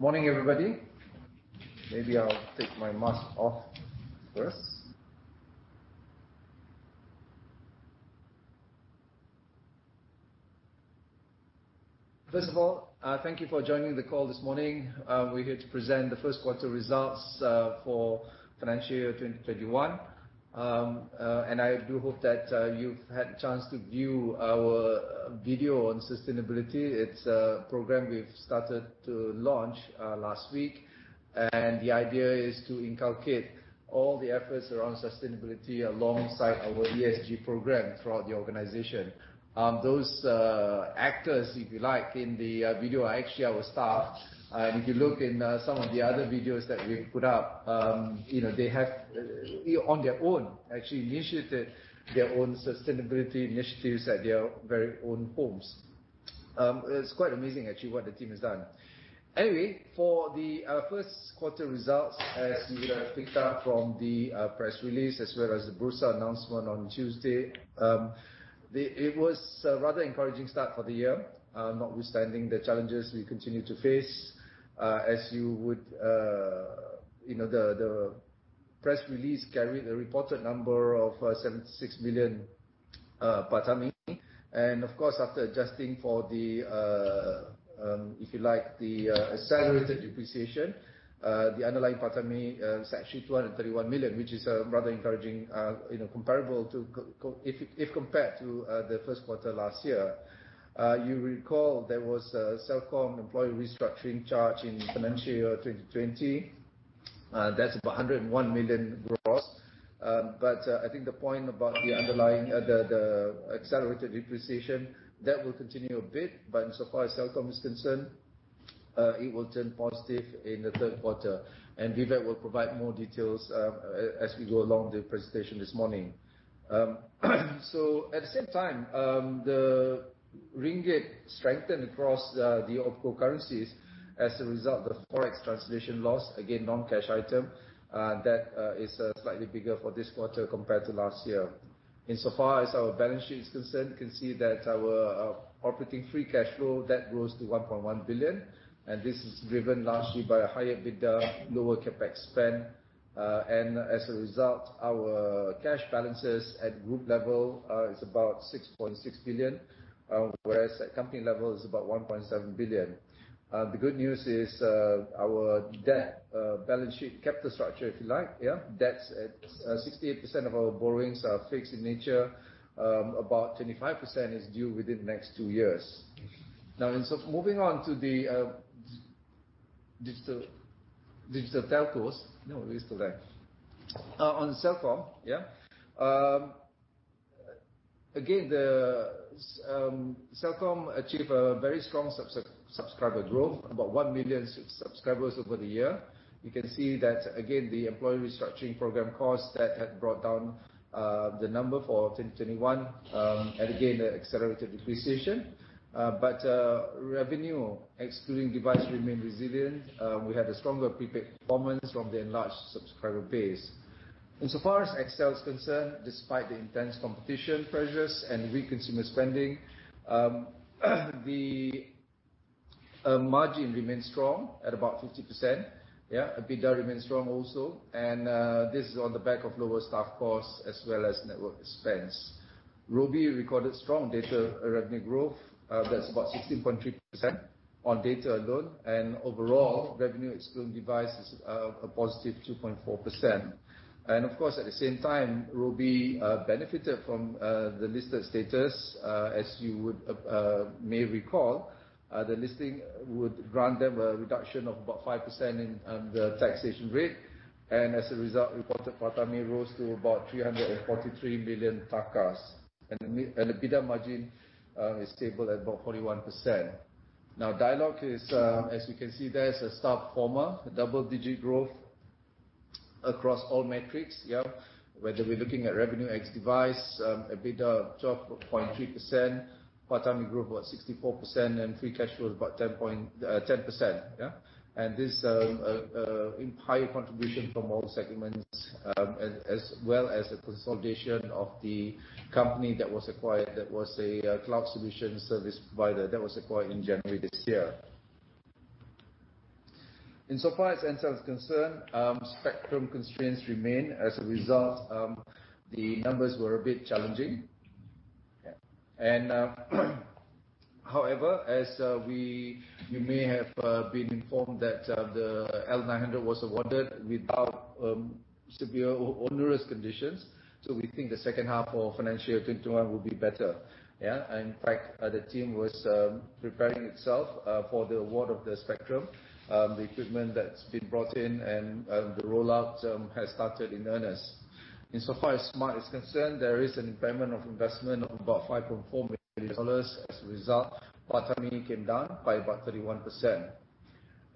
Morning, everybody. Maybe I'll take my mask off first. First of all, thank you for joining the call this morning. We're here to present the first quarter results for FY 2021. I do hope that you've had a chance to view our video on sustainability. It's a program we've started to launch last week, and the idea is to inculcate all the efforts around sustainability alongside our ESG program throughout the organization. Those actors, if you like, in the video are actually our staff. If you look in some of the other videos that we've put up, they have, on their own, actually initiated their own sustainability initiatives at their very own homes. It's quite amazing actually what the team has done. Anyway, for the first quarter results, as you would have picked up from the press release as well as the Bursa announcement on Tuesday. It was a rather encouraging start for the year, notwithstanding the challenges we continue to face. As you would, the press release carried a reported number of 76 million PATAMI, of course, after adjusting for the, if you like, the accelerated depreciation, the underlying PATAMI is actually 231 million, which is rather encouraging if compared to the first quarter last year. You recall there was a Celcom employee restructuring charge in financial year 2020, that's about 101 million gross. I think the point about the underlying, the accelerated depreciation, that will continue a bit, but insofar as Celcom is concerned, it will turn positive in the third quarter. Vivek will provide more details as we go along the presentation this morning. At the same time, the ringgit strengthened across the other currencies as a result of forex translation loss, again, non-cash item, that is slightly bigger for this quarter compared to last year. Insofar as our balance sheet is concerned, you can see that our operating free cash flow, that grows to 1.1 billion, and this is driven largely by higher EBITDA, lower CapEx spend. As a result, our cash balances at group level is about 6.6 billion, whereas at company level, it's about 1.7 billion. The good news is our debt balance sheet, capital structure, if you like, yeah, that's at 68% of our borrowings are fixed in nature. About 25% is due within the next two years. Moving on to the digital telcos. On Celcom, yeah. Celcom achieved a very strong subscriber growth, about 1 million subscribers over the year. You can see that again, the employee restructuring program costs, that had brought down the number for 2021, and again, accelerated depreciation. Revenue excluding device remained resilient. We had a stronger prepaid performance from the enlarged subscriber base. Insofar as Axis is concerned, despite the intense competition pressures and weak consumer spending, the margin remained strong at about 50%. Yeah, EBITDA remained strong also. This is on the back of lower staff costs as well as network expense. Robi recorded strong data revenue growth. That's about 16.3% on data alone. Overall, revenue excluding device is a positive 2.4%. Of course, at the same time, Robi benefited from the listed status. As you may recall, the listing would grant them a reduction of about 5% in the taxation rate. As a result, reported PATAMI rose to about BDT 343 million. EBITDA margin is stable at about 41%. Now, Dialog is, as you can see there, is a star performer. A double-digit growth across all metrics. Yeah. Whether we're looking at revenue ex device, EBITDA 12.3%, PATAMI grew about 64% and free cash flow is about 10%. Yeah. This is entire contribution from all segments, as well as the consolidation of the company that was acquired, that was a cloud solution service provider that was acquired in January this year. Insofar as Ncell is concerned, spectrum constraints remain. As a result, the numbers were a bit challenging. However, as we may have been informed that the L900 was awarded without severe onerous conditions. We think the second half of financial year 2021 will be better. Yeah. In fact, the team was preparing itself for the award of the spectrum. The equipment that's been brought in and the rollout has started in earnest. Insofar as SMART is concerned, there is an impairment of investment of about MYR 5.4 million. As a result, PATAMI came down by about 31%.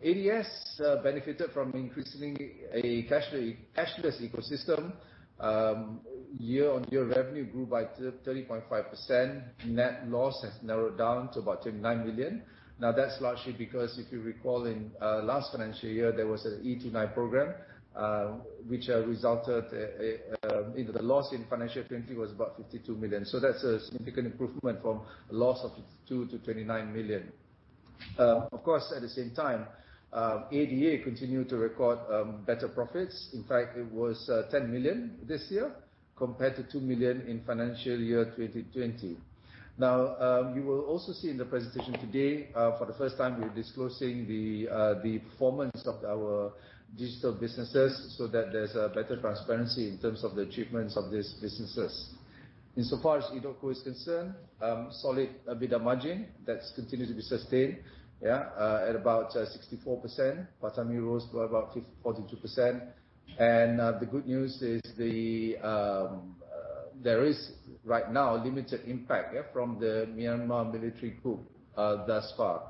ADS benefited from increasingly a cashless ecosystem. Year-over-year revenue grew by 30.5%. Net loss has narrowed down to about 29 million. That's largely because if you recall in last financial year, there was an e-Tunai program, which resulted in the loss in financial year 2020 was about 52 million. That's a significant improvement from a loss of 52 million to 29 million. Of course, at the same time, ADA continued to record better profits. In fact, it was 10 million this year compared to 2 million in financial year 2020. You will also see in the presentation today, for the first time, we're disclosing the performance of our digital businesses so that there's a better transparency in terms of the achievements of these businesses. Insofar as EDOTCO is concerned, solid EBITDA margin that continues to be sustained at about 64%. PATAMI rose to about 42%. The good news is there is right now a limited impact from the Myanmar military coup thus far.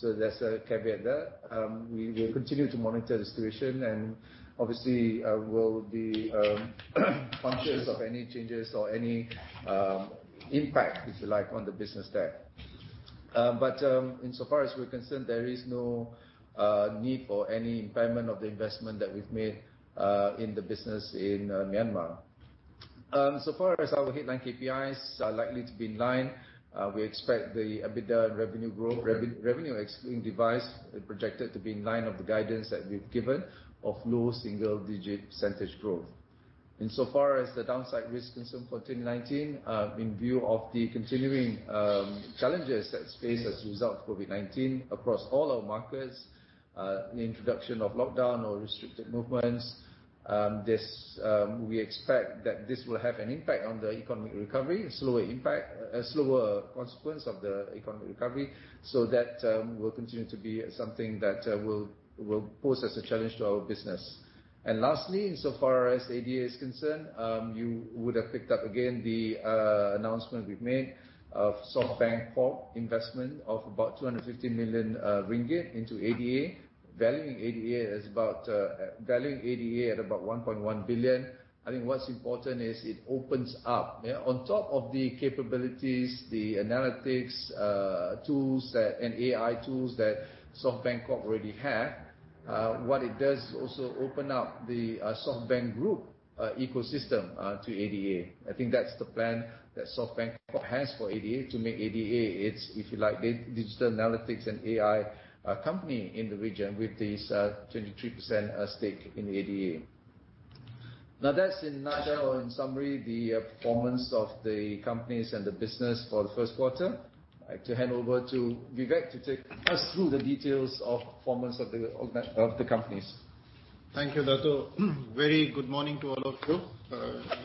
There's a caveat there. We will continue to monitor the situation, and obviously will be functions of any changes or any impact, if you like, on the business there. Insofar as we're concerned, there is no need for any impairment of the investment that we've made in the business in Myanmar. So far as our headline KPIs are likely to be in line. We expect the EBITDA revenue growth, revenue excluding device, projected to be in line of the guidance that we've given of low single-digit % growth. Insofar as the downside risk is concerned for 2019, in view of the continuing challenges that face as a result of COVID-19 across all our markets, the introduction of lockdown or restricted movements, we expect that this will have an impact on the economic recovery, a slower consequence of the economic recovery. That will continue to be something that will pose as a challenge to our business. Lastly, insofar as ADA is concerned, you would have picked up again the announcement we've made of SoftBank Corp investment of about 250 million ringgit into ADA, valuing ADA at about 1.1 billion. I think what's important is it opens up. On top of the capabilities, the analytics tools, and AI tools that SoftBank Corp. already have, what it does is also open up the SoftBank Group ecosystem to ADA. I think that's the plan that SoftBank Corp. has for ADA to make ADA its, if you like, digital analytics and AI company in the region with this 23% stake in ADA. Now, that's in a nutshell in summary, the performance of the companies and the business for the first quarter. I'd like to hand over to Vivek to take us through the details of performance of the companies. Thank you, Dato'. Very good morning to all of you.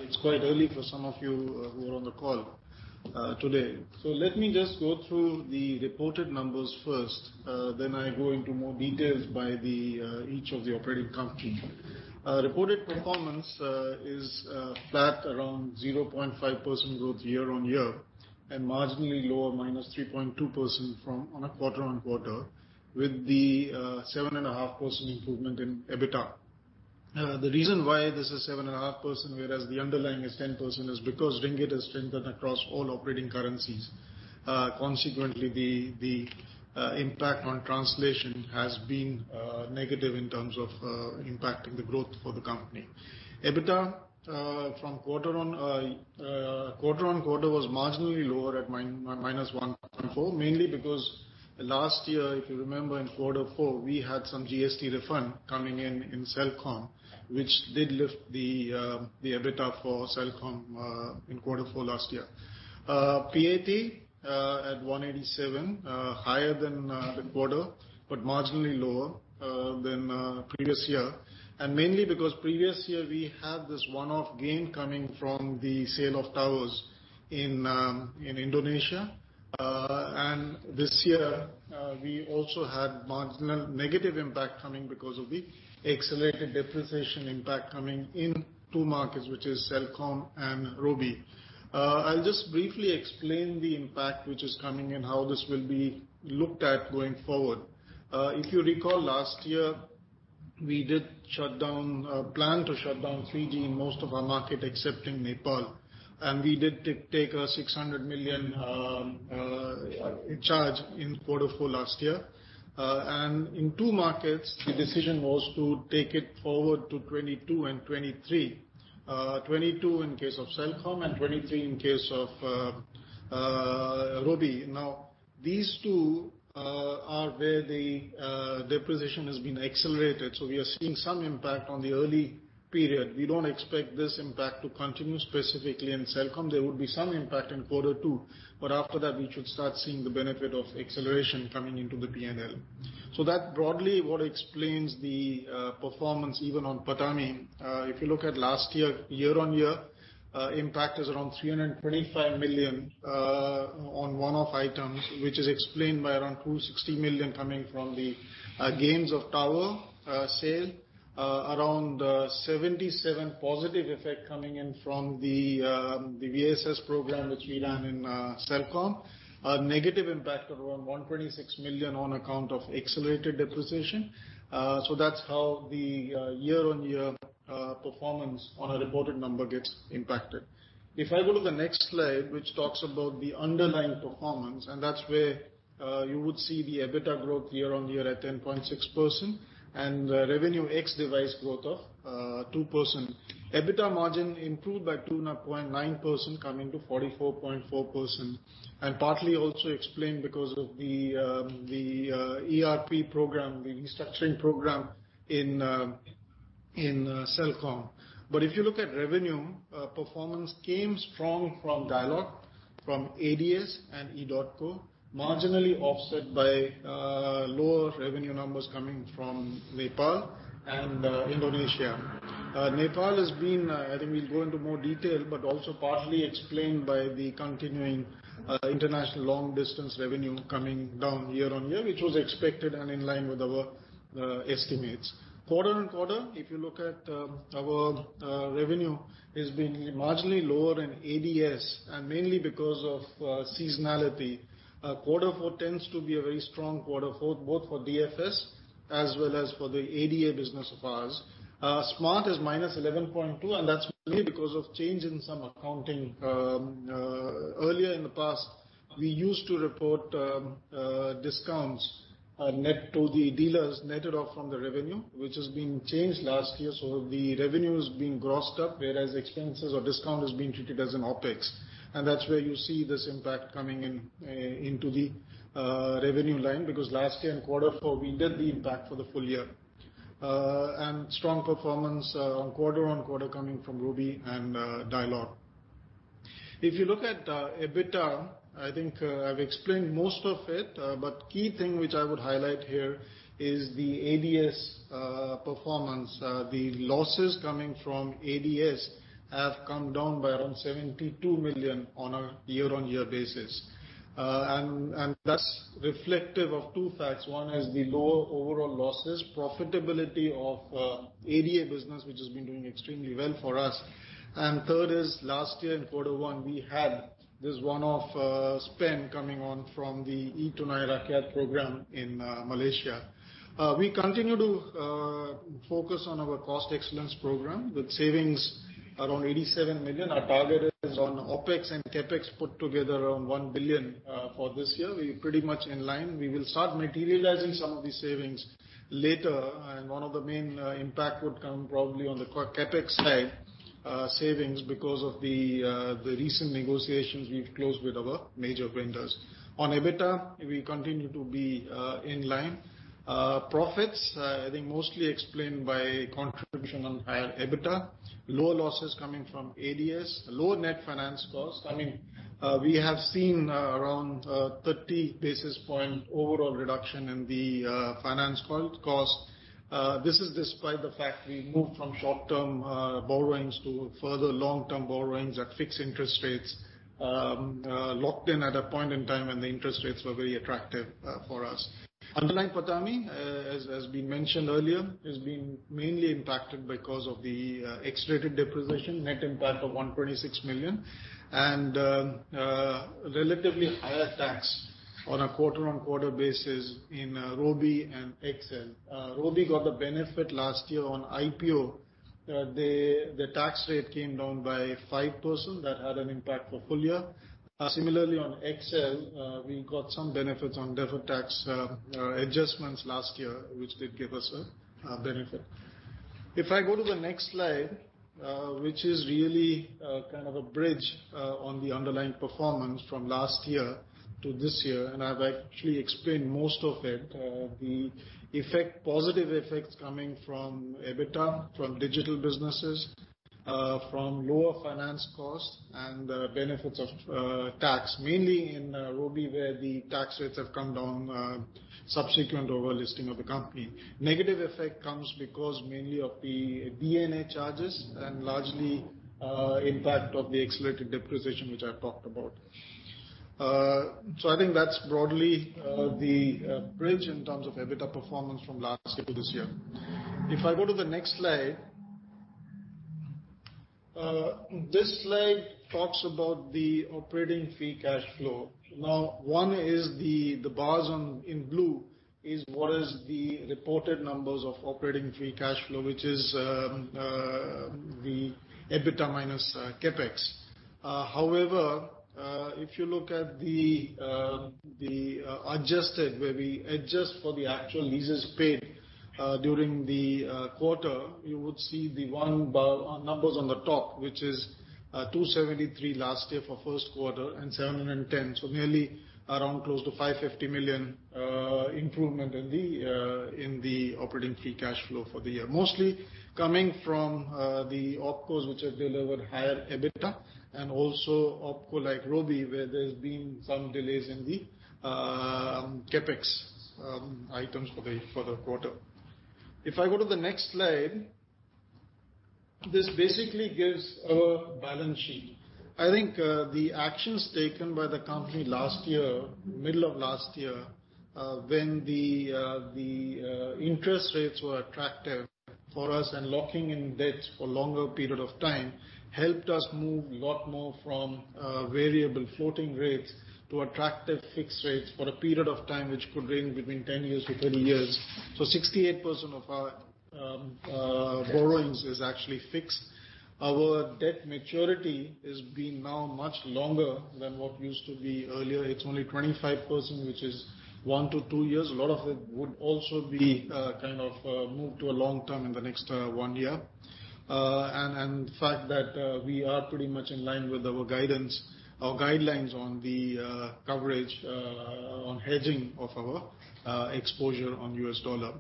It's quite early for some of you who are on the call today. Let me just go through the reported numbers first, then I'll go into more details by each of the operating company. Reported performance is flat around 0.5% growth year-on-year and marginally lower -3.2% from quarter-on-quarter with the 7.5% improvement in EBITDA. The reason why this is 7.5% whereas the underlying is 10% is because Ringgit has strengthened across all operating currencies. Consequently, the impact on translation has been negative in terms of impacting the growth for the company. EBITDA from quarter-on-quarter was marginally lower at -1.4%, mainly because last year, if you remember in quarter four, we had some GST refund coming in in Celcom, which did lift the EBITDA for Celcom in quarter four last year. PAT at 187, higher than the quarter, but marginally lower than previous year. Mainly because previous year, we had this one-off gain coming from the sale of towers in Indonesia. This year, we also had marginal negative impact coming because of the accelerated depreciation impact coming in two markets, which is Celcom and Robi. I will just briefly explain the impact which is coming and how this will be looked at going forward. If you recall last year, we did plan to shut down 3G in most of our market except in Nepal, and we did take a 600 million charge in quarter four last year. In two markets, the decision was to take it forward to 2022 and 2023. 2022 in case of Celcom and 2023 in case of Robi. These two are where the depreciation has been accelerated, we are seeing some impact on the early period. We don't expect this impact to continue specifically in Celcom. There would be some impact in quarter two, after that we should start seeing the benefit of acceleration coming into the P&L. That broadly what explains the performance even on PATAMI. If you look at last year-on-year impact is around 325 million on one-off items, which is explained by around 260 million coming from the gains of tower sale. Around 77 positive effect coming in from the VSS program, which we ran in Celcom. A negative impact of around 126 million on account of accelerated depreciation. That's how the year-on-year performance on a reported number gets impacted. If I go to the next slide, which talks about the underlying performance, and that's where you would see the EBITDA growth year-on-year at 10.6% and the revenue ex-device growth of 2%. EBITDA margin improved by 2.9% coming to 44.4%. Partly also explained because of the ERP program, the restructuring program in Celcom. If you look at revenue, performance came strong from Dialog, from ADS, and EDOTCO, marginally offset by lower revenue numbers coming from Nepal and Indonesia. Nepal has been, I think we'll go into more detail, but also partly explained by the continuing international long-distance revenue coming down year-on-year, which was expected and in line with our estimates. Quarter-on-quarter, if you look at our revenue, it's been marginally lower in ADS and mainly because of seasonality. Quarter four tends to be a very strong quarter for both DFS as well as for the ADA business of ours. Smart is -11.2, and that's mainly because of change in some accounting. Earlier in the past, we used to report discounts net to the dealers, net off from the revenue, which has been changed last year. The revenue has been grossed up, whereas expenses or discount is being treated as an OpEx. That's where you see this impact coming into the revenue line, because last year in Quarter four, we did the impact for the full year. Strong performance on quarter-on-quarter coming from Robi and Dialog. If you look at EBITDA, I think I've explained most of it. Key thing which I would highlight here is the ADS performance. The losses coming from ADS have come down by around 72 million on a year-on-year basis. That's reflective of two facts. One is the lower overall losses, profitability of ADA business, which has been doing extremely well for us. Third is last year in quarter one, we had this one-off spend coming on from the e-Tunai Rakyat program in Malaysia. We continue to focus on our cost excellence program with savings around 87 million. Our target is on OpEx and CapEx put together around 1 billion for this year. We're pretty much in line. We will start materializing some of these savings later, and one of the main impact would come probably on the CapEx side savings because of the recent negotiations we've closed with our major vendors. On EBITDA, we continue to be in line. Profits, I think mostly explained by contribution on higher EBITDA, low losses coming from ADS, low net finance costs. I mean, we have seen around 30 basis points overall reduction in the finance cost. This is despite the fact we moved from short-term borrowings to further long-term borrowings at fixed interest rates, locked in at a point in time when the interest rates were very attractive for us. Underlying PATAMI, as we mentioned earlier, has been mainly impacted because of the accelerated depreciation, net impact of 126 million, and relatively higher tax on a quarter-on-quarter basis in Robi and XL. Robi got the benefit last year on IPO. The tax rate came down by 5%. That had an impact for full year. Similarly, on XL, we got some benefits on deferred tax adjustments last year, which did give us a benefit. If I go to the next slide, which is really a bridge on the underlying performance from last year to this year, I've actually explained most of it. The positive effects coming from EBITDA, from digital businesses, from lower finance costs, benefits of tax, mainly in Robi where the tax rates have come down subsequent to our listing of the company. Negative effect comes because mainly of the D&A charges and largely impact of the accelerated depreciation, which I talked about. I think that's broadly the bridge in terms of EBITDA performance from last year to this year. If I go to the next slide. This slide talks about the operating free cash flow. One is the bars in blue is what is the reported numbers of operating free cash flow, which is the EBITDA minus CapEx. However, if you look at the adjusted, where we adjust for the actual leases paid during the quarter, you would see the numbers on the top, which is 273 million last year for first quarter and 710 million. Merely around close to 550 million improvement in the operating free cash flow for the year. Mostly coming from the OpCos which have delivered higher EBITDA and also OpCo like Robi where there's been some delays in the CapEx items for the quarter. If I go to the next slide, this basically gives a balance sheet. I think the actions taken by the company last year, middle of last year, when the interest rates were attractive for us and locking in debts for longer period of time helped us move a lot more from variable floating rates to attractive fixed rates for a period of time which could range between 10-30 years. 68% of our borrowings is actually fixed. Our debt maturity has been now much longer than what used to be earlier. It's only 25%, which is one to two years. A lot of it would also be moved to long-term in the next one year. The fact that we are pretty much in line with our guidelines on the coverage, on hedging of our exposure on US dollar.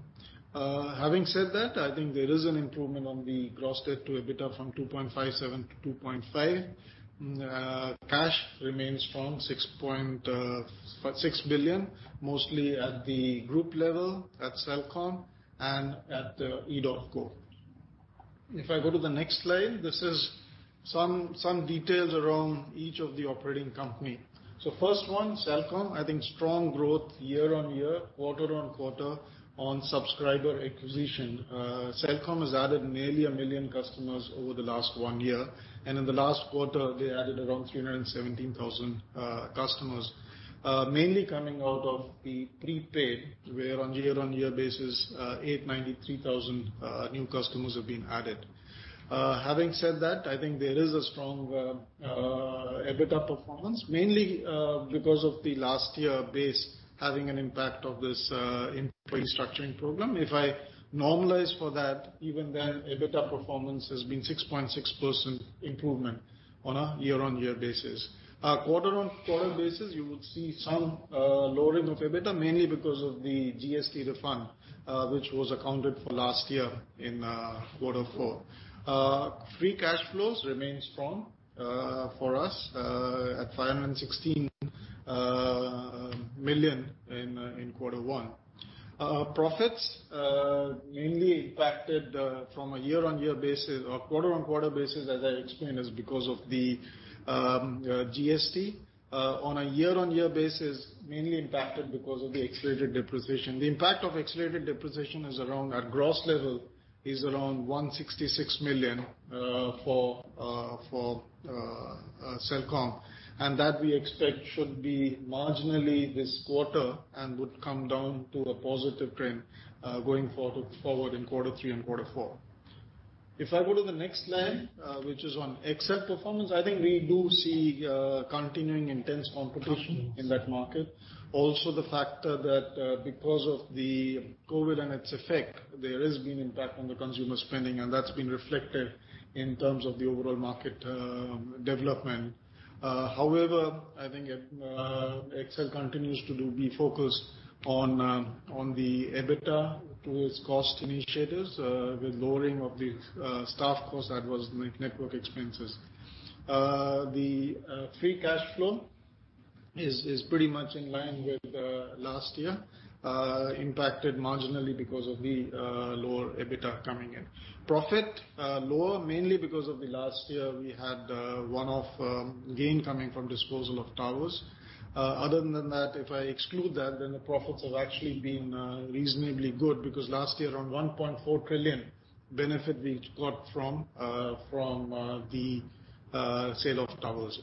Having said that, I think there is an improvement on the gross debt-to-EBITDA from 2.57- 2.5. Cash remains strong, 6.6 billion, mostly at the group level, at Celcom and at EDOTCO. If I go to the next slide, this is some details around each of the operating company. First one, Celcom, I think strong growth year-on-year, quarter-on-quarter on subscriber acquisition. Celcom has added nearly one million customers over the last one year. In the last quarter, they added around 317,000 customers, mainly coming out of the prepaid where on year-on-year basis 893,000 new customers have been added. Having said that, I think there is a strong EBITDA performance, mainly because of the last year base having an impact of this employee structuring program. If I normalize for that, even then EBITDA performance has been 6.6% improvement on a year-on-year basis. Quarter-on-quarter basis, you would see some lowering of EBITDA mainly because of the GST refund, which was accounted for last year in quarter four. Free cash flows remain strong for us at 516 million in quarter one. Profits mainly impacted from a quarter-on-quarter basis as I explained, is because of the GST. On a year-on-year basis, mainly impacted because of the accelerated depreciation. The impact of accelerated depreciation at gross level is around 166 million for Celcom. That we expect should be marginally this quarter and would come down to a positive trend going forward in quarter three and quarter four. If I go to the next slide, which is on Axiata performance, I think we do see continuing intense competition in that market. The factor that because of the COVID-19 and its effect, there has been impact on the consumer spending and that's been reflected in terms of the overall market development. I think Axiata continues to be focused on the EBITDA through its cost initiatives, the lowering of the staff cost, that was network expenses. The free cash flow is pretty much in line with last year, impacted marginally because of the lower EBITDA coming in. Profit lower mainly because of the last year we had one-off gain coming from disposal of towers. Other than that, if I exclude that, then the profits have actually been reasonably good because last year around 1.4 trillion benefit we got from the sale of towers.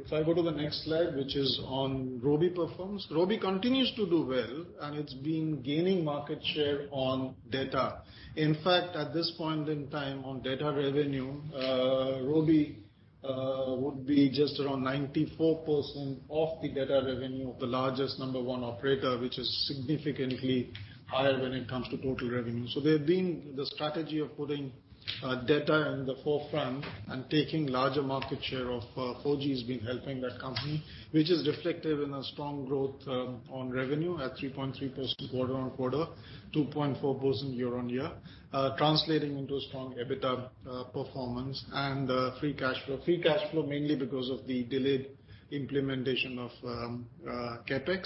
If I go to the next slide, which is on Robi performance. Robi continues to do well and it's been gaining market share on data. In fact, at this point in time on data revenue, Robi would be just around 94% of the data revenue of the largest number one operator, which is significantly higher when it comes to total revenue. They've been the strategy of putting data in the forefront and taking larger market share of 4G has been helping that company, which is reflected in a strong growth on revenue at 3.3% quarter-on-quarter, 2.4% year-on-year translating into strong EBITDA performance and free cash flow. Free cash flow mainly because of the delayed implementation of CapEx,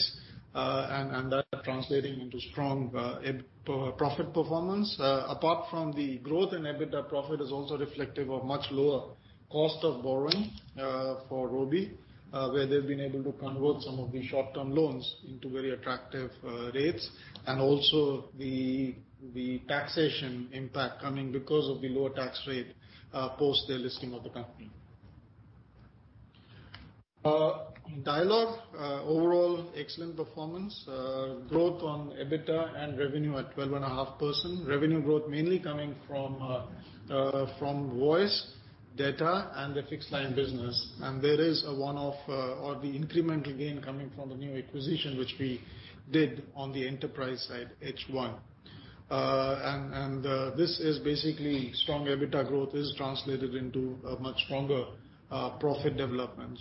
that translating into strong profit performance. Apart from the growth in EBITDA, profit is also reflective of much lower cost of borrowing for Robi, where they've been able to convert some of the short-term loans into very attractive rates and also the taxation impact coming because of the lower tax rate post their listing of the company. Dialog, overall excellent performance. Growth on EBITDA and revenue at 12.5%. Revenue growth mainly coming from voice, data and the fixed line business. There is the incremental gain coming from the new acquisition which we did on the enterprise side H1. This is basically strong EBITDA growth is translated into a much stronger profit development.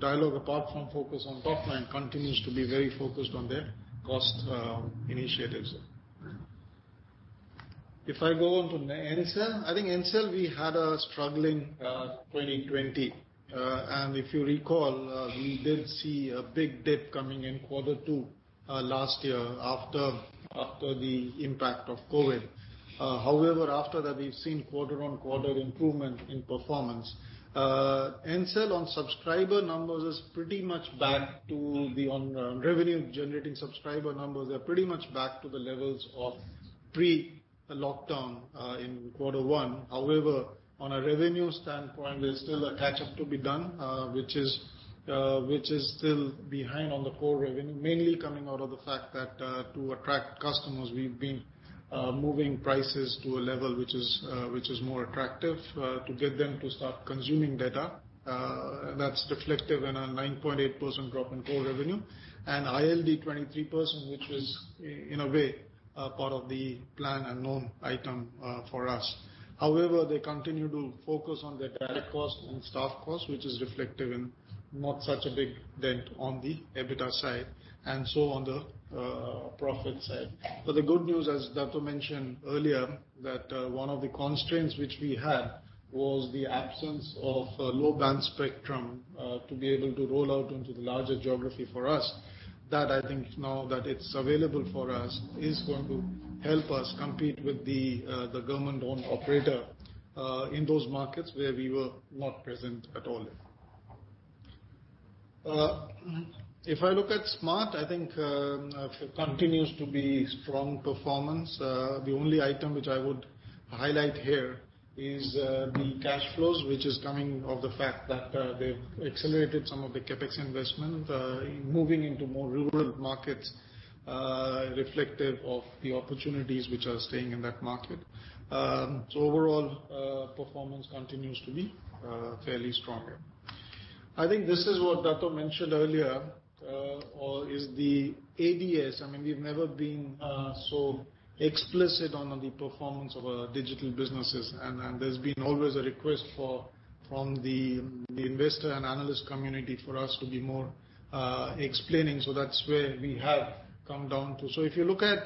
Dialog apart from focus on top line continues to be very focused on their cost initiatives. If I go on to Ncell, I think Ncell we had a struggling 2020. If you recall, we did see a big dip coming in quarter two last year after the impact of COVID-19. However, after that we've seen quarter on quarter improvement in performance. Ncell on subscriber numbers is pretty much back to the revenue generating subscriber numbers are pretty much back to the levels of pre-lockdown in quarter one. However, on a revenue standpoint, there's still a catch-up to be done, which is still behind on the core revenue, mainly coming out of the fact that to attract customers, we've been moving prices to a level which is more attractive to get them to start consuming data. That's reflective in a 9.8% drop in core revenue and ILD 23%, which was, in a way, part of the plan a known item for us. However, they continue to focus on the direct cost and staff cost, which is reflective in not such a big dent on the EBITDA side and so on the profit side. The good news, as Dato' mentioned earlier, that one of the constraints which we had was the absence of low-band spectrum to be able to roll out into the larger geography for us. That I think now that it's available for us is going to help us compete with the government-owned operator in those markets where we were not present at all. If I look at Smart, I think it continues to be strong performance. The only item which I would highlight here is the cash flows, which is coming off the fact that they've accelerated some of the CapEx investment in moving into more rural markets, reflective of the opportunities which are staying in that market. Overall, performance continues to be fairly strong. I think this is what Dato' mentioned earlier, is the ADA. I mean, we've never been so explicit on the performance of our digital businesses, and there's been always a request from the investor and analyst community for us to be more explaining. That's where we have come down to. If you look at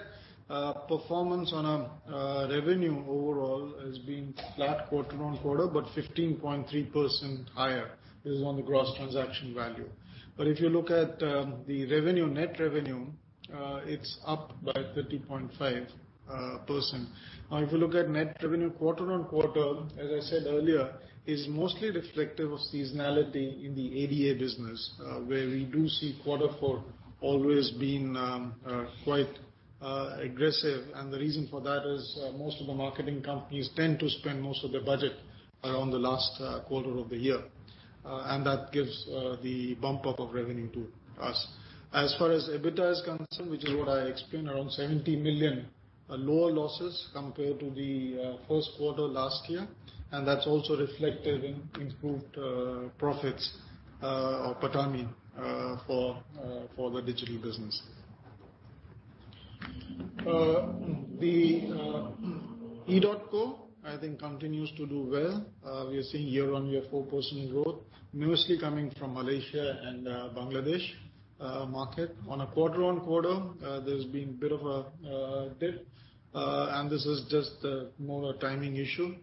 performance on a revenue overall has been flat quarter-on-quarter, 15.3% higher is on the gross transaction value. If you look at the net revenue, it's up by 30.5%. If you look at net revenue quarter-on-quarter, as I said earlier, is mostly reflective of seasonality in the ADA business, where we do see quarter four always being quite aggressive. The reason for that is most of the marketing companies tend to spend most of their budget around the last quarter of the year. That gives the bump up of revenue to us. As far as EBITDA is concerned, which is what I explained around 70 million lower losses compared to the first quarter last year, and that's also reflected in improved profits or PATAMI for the digital business. The EDOTCO, I think, continues to do well. We are seeing year-on-year 4% growth, mostly coming from Malaysia and Bangladesh market. On a quarter-on-quarter, there's been a bit of a dip, and this is just more a timing issue.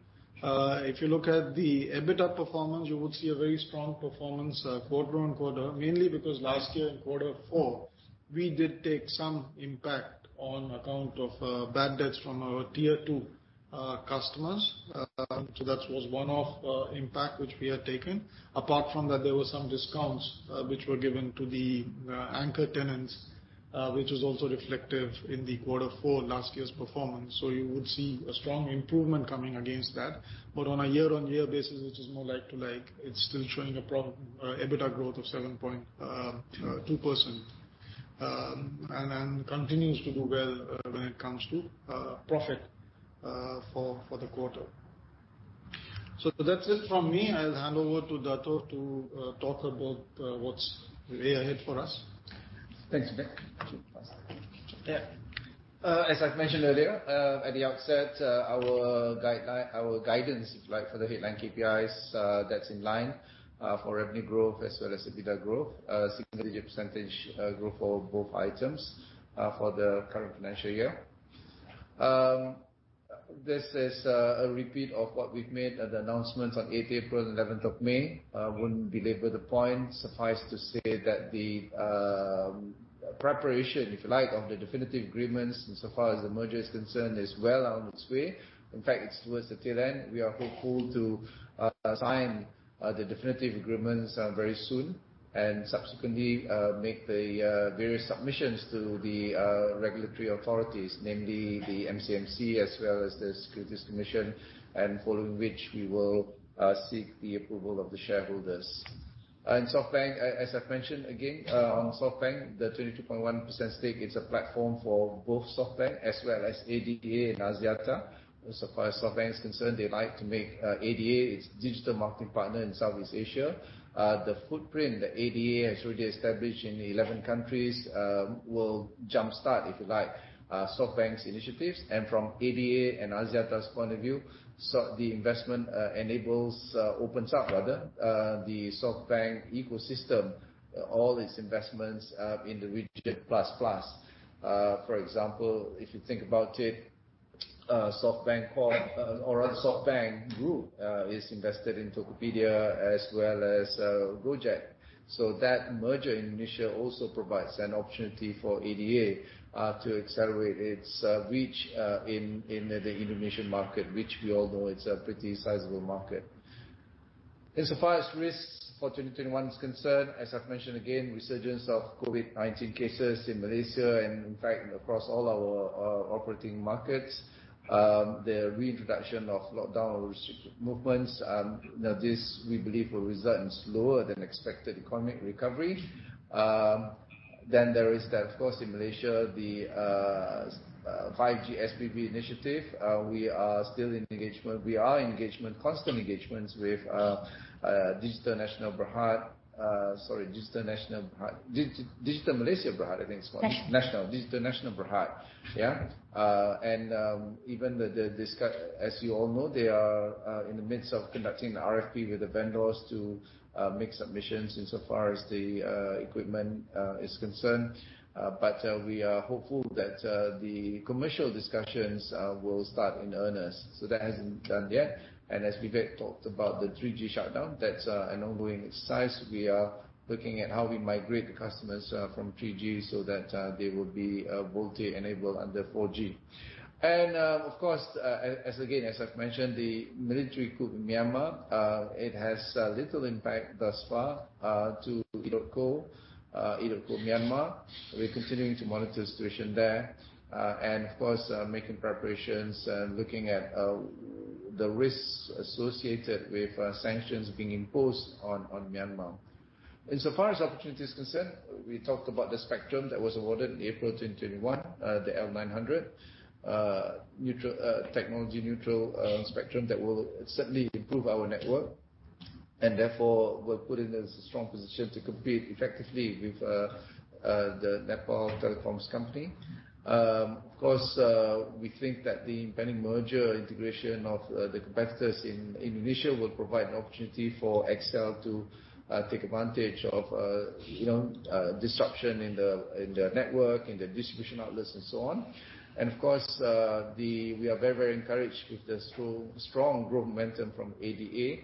If you look at the EBITDA performance, you would see a very strong performance quarter-on-quarter, mainly because last year in quarter four, we did take some impact on account of bad debts from our tier two customers. That was one-off impact which we have taken. Apart from that, there were some discounts which were given to the anchor tenants, which was also reflective in the quarter four last year's performance. You would see a strong improvement coming against that. On a year-on-year basis, it is more like to like, it is still showing a profit EBITDA growth of 7.2% and continues to do well when it comes to profit for the quarter. That is it from me. I will hand over to Dato' to talk about what is way ahead for us. Thanks, Vivek. As I've mentioned earlier, at the outset, our guidance, if you like, for the headline KPIs that's in line for revenue growth as well as EBITDA growth, single-digit % growth for both items for the current financial year. This is a repeat of what we've made an announcement on 8th April and 11th of May. I wouldn't belabor the point. Suffice to say that the preparation, if you like, of the definitive agreements and so far as the merger is concerned, is well on its way. In fact, towards the tail end, we are hopeful to sign the definitive agreements very soon and subsequently make the various submissions to the regulatory authorities, namely the MCMC, as well as the Securities Commission, following which we will seek the approval of the shareholders. SoftBank, as I've mentioned, again, on SoftBank, the 32.1% stake is a platform for both SoftBank as well as ADA and Axiata. So far as SoftBank is concerned, they'd like to make ADA its digital marketing partner in Southeast Asia. The footprint that ADA has already established in 11 countries will jumpstart, if you like, SoftBank's initiatives. From ADA and Axiata's point of view, the investment opens up the SoftBank ecosystem, all its investments in the region plus. For example, if you think about it, SoftBank Group is invested in Tokopedia as well as Gojek. That merger in Indonesia also provides an opportunity for ADA to accelerate its reach in the Indonesian market, which we all know it's a pretty sizable market. Insofar as risks for 2021 is concerned, as I've mentioned again, resurgence of COVID-19 cases in Malaysia and in fact across all our operating markets. The reintroduction of lockdown or restrictive movements. This we believe will result in slower than expected economic recovery. There is that, of course, in Malaysia, the 5G SPV initiative. We are still in engagement. We are in engagement, constant engagements with Digital Nasional Berhad. Sorry, Digital Malaysia Berhad, I think it's called. Digital Nasional Berhad. Yeah. Even as you all know, they are in the midst of conducting the RFP with the vendors to make submissions insofar as the equipment is concerned. We are hopeful that the commercial discussions will start in earnest. That hasn't been done yet. As Vivek talked about the 3G shutdown, that's an ongoing exercise. We are looking at how we migrate the customers from 3G so that they will be VoLTE-enabled under 4G. Of course, again, as I've mentioned, the military coup in Myanmar. It has little impact thus far to EDOTCO Myanmar. We're continuing to monitor the situation there and, of course, making preparations and looking at the risks associated with sanctions being imposed on Myanmar. Insofar as opportunities are concerned, we talked about the spectrum that was awarded in April 2021, the L900 technology neutral spectrum that will certainly improve our network, and therefore will put us in a strong position to compete effectively with Ncell. Of course, we think that the pending merger integration of the competitors in Indonesia will provide an opportunity for Axiata to take advantage of disruption in their network, in their distribution outlets, and so on. Of course, we are very encouraged with the strong growth momentum from ADA.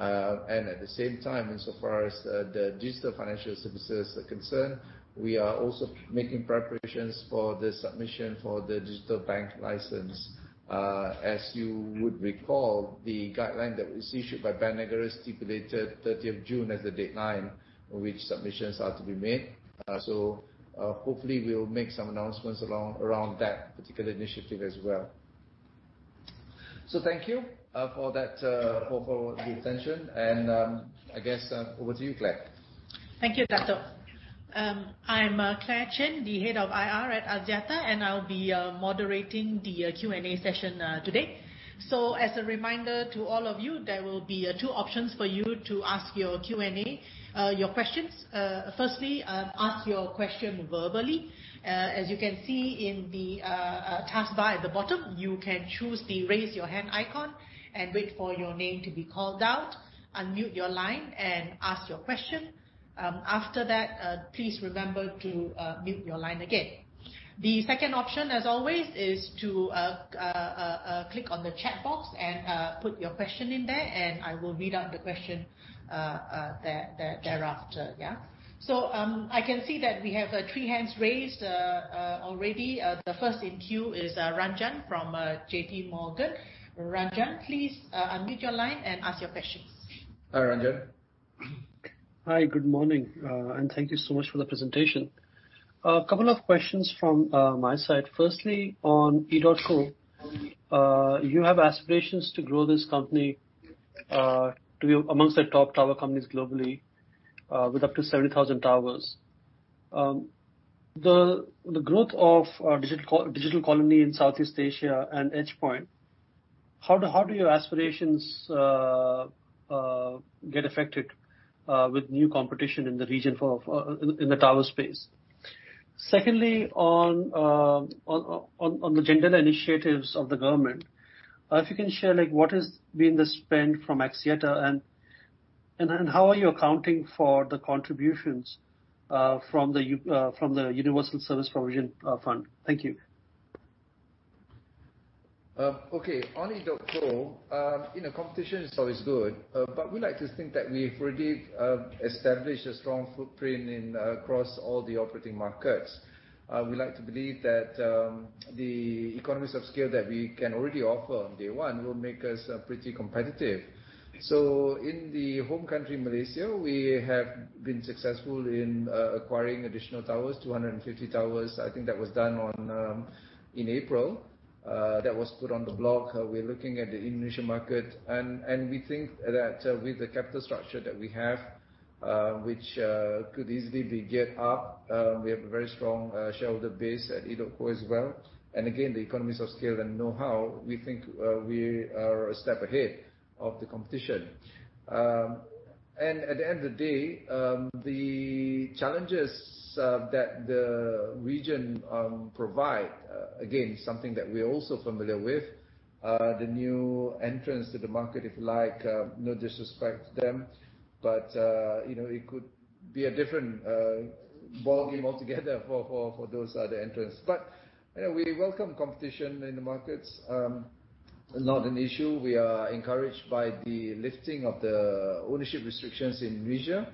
At the same time, insofar as the digital financial services are concerned, we are also making preparations for the submission for the digital bank license. As you would recall, the guideline that was issued by Bank Negara stipulated 30th June as the deadline on which submissions are to be made. Hopefully we'll make some announcements around that particular initiative as well. Thank you for the attention and I guess over to you, Clare. Thank you, Dato'. I'm Clare Chin, the Head of IR at Axiata, and I'll be moderating the Q&A session today. As a reminder to all of you, there will be two options for you to ask your Q&A, your questions. Firstly, ask your question verbally. As you can see in the task bar at the bottom, you can choose the raise your hand icon and wait for your name to be called out, unmute your line, and ask your question. After that, please remember to mute your line again. The second option, as always, is to click on the chat box and put your question in there, and I will read out the question thereafter. Yeah. I can see that we have three hands raised already. The first in queue is Ranjan from JPMorgan. Ranjan, please unmute your line and ask your questions. Hi, Ranjan. Hi. Good morning, thank you so much for the presentation. A couple of questions from my side. Firstly, on EDOTCO. You have aspirations to grow this company to be amongst the top tower companies globally with up to 70,000 towers. The growth of Digital Colony in Southeast Asia and EdgePoint, how do your aspirations get affected with new competition in the region in the tower space? Secondly, on the general initiatives of the government. If you can share, what has been the spend from Axiata, and how are you accounting for the contributions from the Universal Service Provision Fund? Thank you. Okay. On EDOTCO, competition is always good. We like to think that we've already established a strong footprint across all the operating markets. We like to believe that the economies of scale that we can already offer on day one will make us pretty competitive. In the home country, Malaysia, we have been successful in acquiring additional towers, 250 towers, I think that was done in April. That was put on the block. We're looking at the Indonesian market, and we think that with the capital structure that we have, which could easily be geared up, we have a very strong shareholder base at EDOTCO as well. Again, the economies of scale and know-how, we think we are a step ahead of the competition. At the end of the day, the challenges that the region provide, again, something that we're also familiar with. The new entrants to the market, if you like, no disrespect to them, it could be a different ball game altogether for those other entrants. We welcome competition in the markets. Not an issue. We are encouraged by the lifting of the ownership restrictions in Indonesia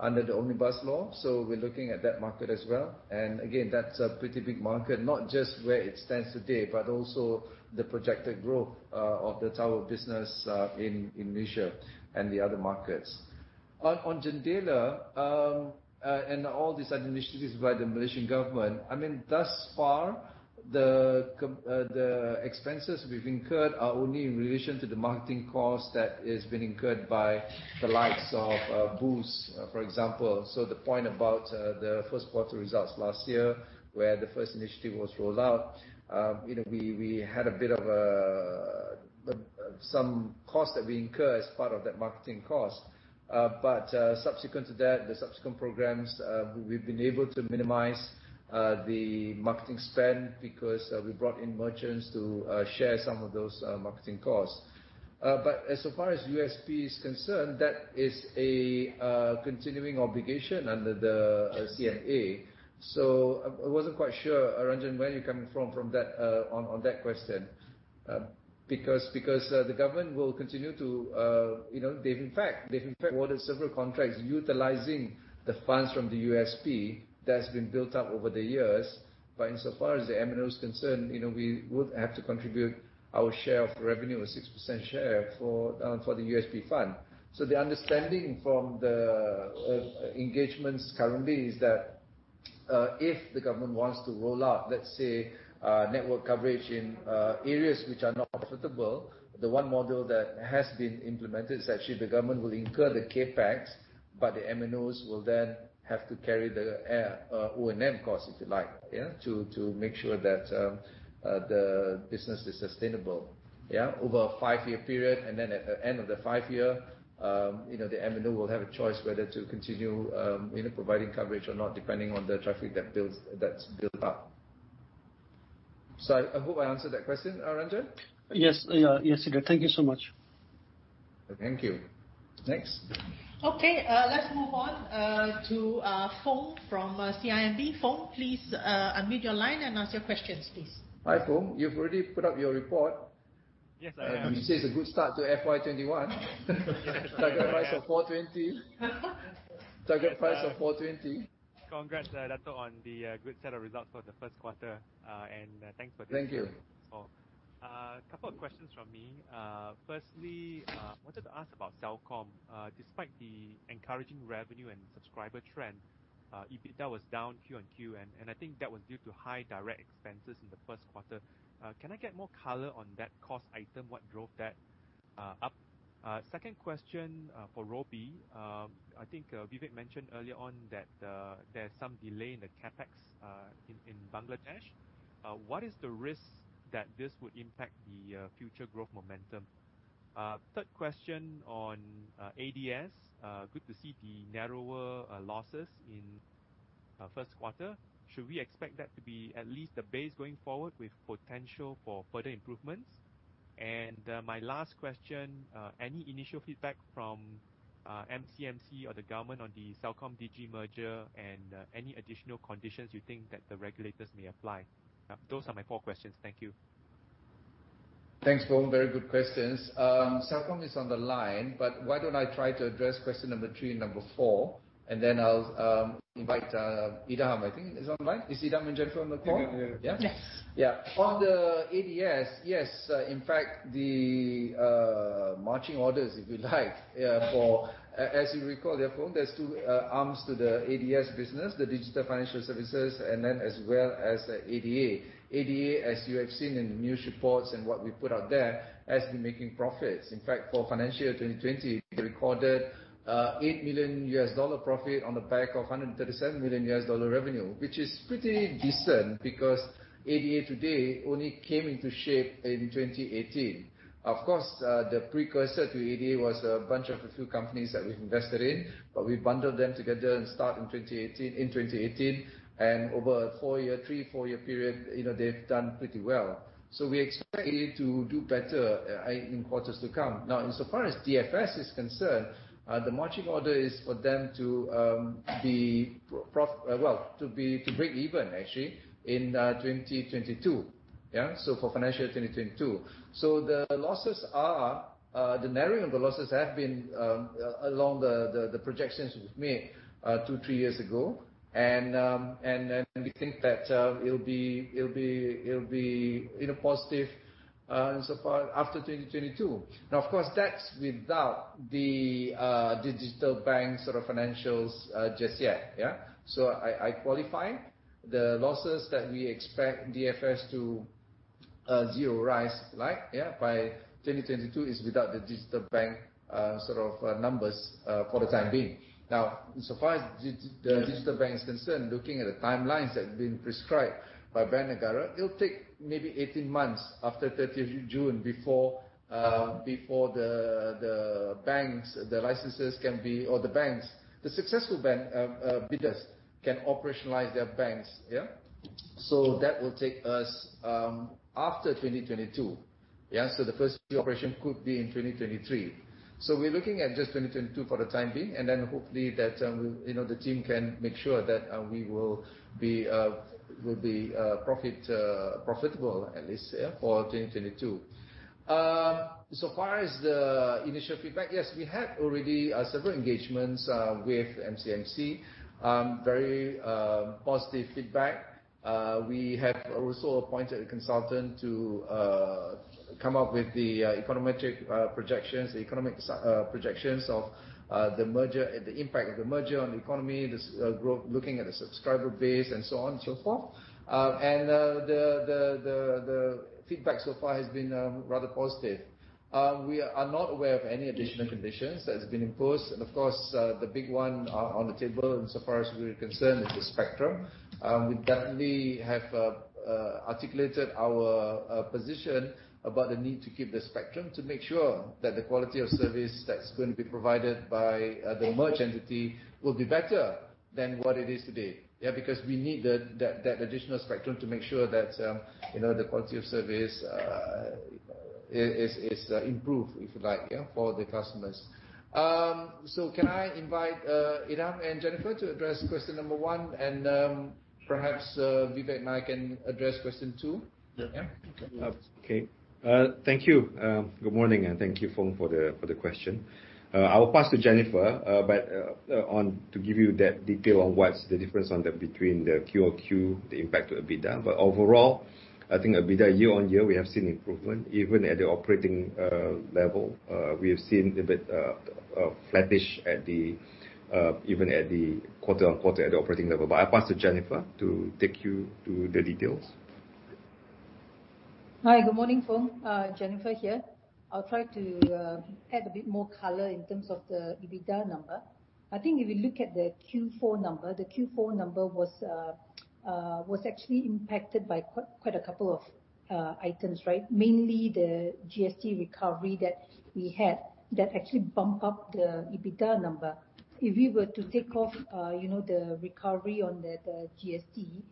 under the Omnibus Law. We're looking at that market as well. Again, that's a pretty big market, not just where it stands today, but also the projected growth of the tower business in Indonesia and the other markets. On JENDELA and all these other initiatives by the Malaysian government, thus far, the expenses we've incurred are only in relation to the marketing cost that has been incurred by the likes of Boost, for example. The point about the first quarter results last year where the first initiative was rolled out, we had a bit of some cost that we incurred as part of that marketing cost. Subsequent to that, the subsequent programs, we've been able to minimize the marketing spend because we brought in merchants to share some of those marketing costs. As far as USP is concerned, that is a continuing obligation under the CMA. I wasn't quite sure, Ranjan, where you're coming from on that question. The government will continue to-- They've, in fact, awarded several contracts utilizing the funds from the USP that's been built up over the years. Insofar as the MNO is concerned, we would have to contribute our share of revenue, a 6% share for the USP fund. The understanding from the engagements currently is that if the government wants to roll out, let's say, network coverage in areas which are not profitable, the one model that has been implemented is actually the government will incur the CapEx, but the MNOs will then have to carry the O&M cost, if you like, to make sure that the business is sustainable over a five-year period, and then at the end of the five-year, the MNO will have a choice whether to continue providing coverage or not, depending on the traffic that's built up. I hope I answered that question, Ranjan. Yes, Izzaddin. Thank you so much. Thank you. Next. Okay, let's move on to Foong from CIMB. Foong, please unmute your line and ask your questions, please. Hi, Foong. You've already put up your report. Yes. You say it's a good start to FY 2021. Target price of 420. Target price of 420. Congrats, Dato', on the good set of results for the first quarter. Thank you. A couple of questions from me. I wanted to ask about Celcom. Despite the encouraging revenue and subscriber trend, EBITDA was down quarter-on-quarter, and I think that was due to high direct expenses in the first quarter. Can I get more color on that cost item, what drove that up? Second question for Robi. I think Vivek mentioned earlier on that there's some delay in the CapEx in Bangladesh. What is the risk that this would impact the future growth momentum? Third question on ADS. Good to see the narrower losses in first quarter. Should we expect that to be at least the base going forward with potential for further improvements? My last question, any initial feedback from MCMC or the government on the Celcom Digi merger and any additional conditions you think that the regulators may apply? Those are my four questions. Thank you. Thanks, Foong. Very good questions. Celcom is on the line, but why don't I try to address question number three and number four, and then I'll invite Idham, I think. Is Idham Yes. Yeah. On the ADS, yes. In fact, the marching orders, if you like. Yeah. As you recall, there are two arms to the ADS business, the digital financial services, and then as well as the ADA. ADA, as you have seen in the news reports and what we put out there, has been making profits. In fact, for financial year 2020, we recorded $8 million profit on the back of $137 million revenue, which is pretty decent because ADA today only came into shape in 2018. Of course, the precursor to ADA was a bunch of a few companies that we've invested in, but we bundled them together and started in 2018. Over a three, four-year period, they've done pretty well. We expect ADA to do better in quarters to come. Insofar as DFS is concerned, the marching order is for them to break even actually in 2022. Yeah. For financial 2022. The narrowing of the losses have been along the projections we've made two, three years ago. We think that it'll be positive after 2022. Of course, that's without the digital bank sort of financials just yet. Yeah. I qualify the losses that we expect DFS to zeroize like, yeah, by 2022 is without the digital bank sort of numbers for the time being. Insofar as the digital bank is concerned, looking at the timelines that have been prescribed by Bank Negara, it'll take maybe 18 months after 30th June before the successful bidders can operationalize their banks. Yeah. That will take us after 2022. Yeah. The first operation could be in 2023. We're looking at just 2022 for the time being, and then hopefully the team can make sure that we will be profitable, at least for 2022. Far as the initial feedback, yes, we had already several engagements with MCMC. Very positive feedback. We have also appointed a consultant to come up with the econometric projections, the economic projections of the impact of the merger on the economy, looking at the subscriber base and so on and so forth. Feedback so far has been rather positive. We are not aware of any additional conditions that have been imposed. Of course, the big one on the table, and so far as we're concerned, is the spectrum. We currently have articulated our position about the need to keep the spectrum to make sure that the quality of service that's going to be provided by the merged entity will be better than what it is today. Because we need that additional spectrum to make sure that the quality of service is improved, if you like, for the customers. Can I invite Idham and Jennifer to address question number one and perhaps Vivek and I can address question two? Yeah. Okay. Thank you. Good morning. Thank you, Foong, for the question. I'll pass to Jennifer to give you that detail on what's the difference between the QOQ, the impact of EBITDA. Overall, I think EBITDA year-on-year, we have seen improvement even at the operating level. We have seen a bit of flattish even at the quarter-on-quarter operating level. I'll pass to Jennifer to take you through the details. Hi. Good morning, Foong. Jennifer here. I'll try to add a bit more color in terms of the EBITDA number. I think if you look at the Q4 number, the Q4 number was actually impacted by quite a couple of items. Mainly the GST recovery that we have that actually bump up the EBITDA number. If we were to take off the recovery on the GST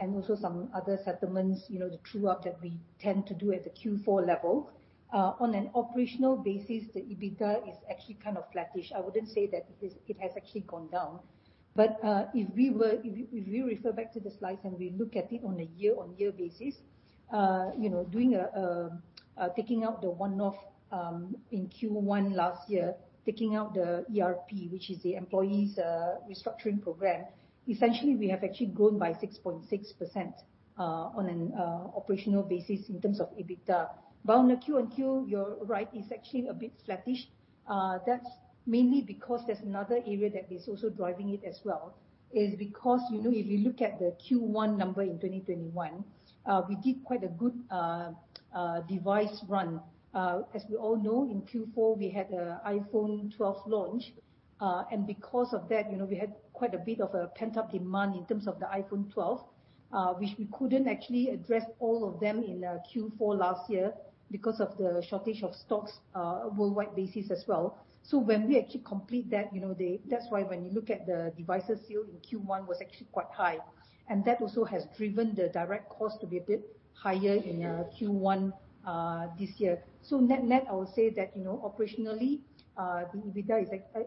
and also some other settlements, the true-up that we tend to do at the Q4 level. On an operational basis, the EBITDA is actually kind of flattish. I wouldn't say that it has actually gone down. If we refer back to the slides and we look at it on a year-on-year basis, taking out the one-off in Q1 last year, taking out the ERP, which is the employees' restructuring program, essentially we have actually grown by 6.6% on an operational basis in terms of EBITDA. On the QOQ, you're right, it's actually a bit flattish. That's mainly because there's another area that is also driving it as well. Because if you look at the Q1 number in 2021, we did quite a good device run. As we all know, in Q4, we had the iPhone 12 launch. Because of that, we had quite a bit of a pent-up demand in terms of the iPhone 12, which we couldn't actually address all of them in Q4 last year because of the shortage of stocks worldwide basis as well. When we actually complete that's why when you look at the devices sale in Q1 was actually quite high. That also has driven the direct cost to be a bit higher in Q1 this year. Net net, I would say that operationally, the EBITDA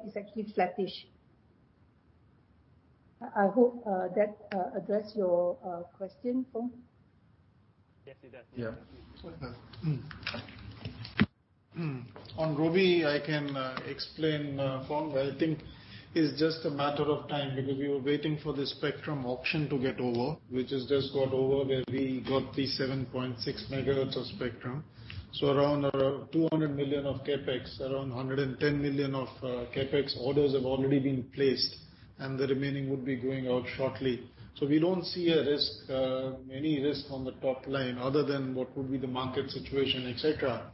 is actually flattish. I hope that addressed your question, Foong. Yes, it does. Yeah. On Robi, I can explain, Foong. I think it's just a matter of time because we were waiting for the spectrum auction to get over, which has just got over, where we got the 7.6 MHz of spectrum. Around 200 million of CapEx, around 110 million of CapEx orders have already been placed, and the remaining would be going out shortly. We don't see any risk on the top line other than what would be the market situation, et cetera,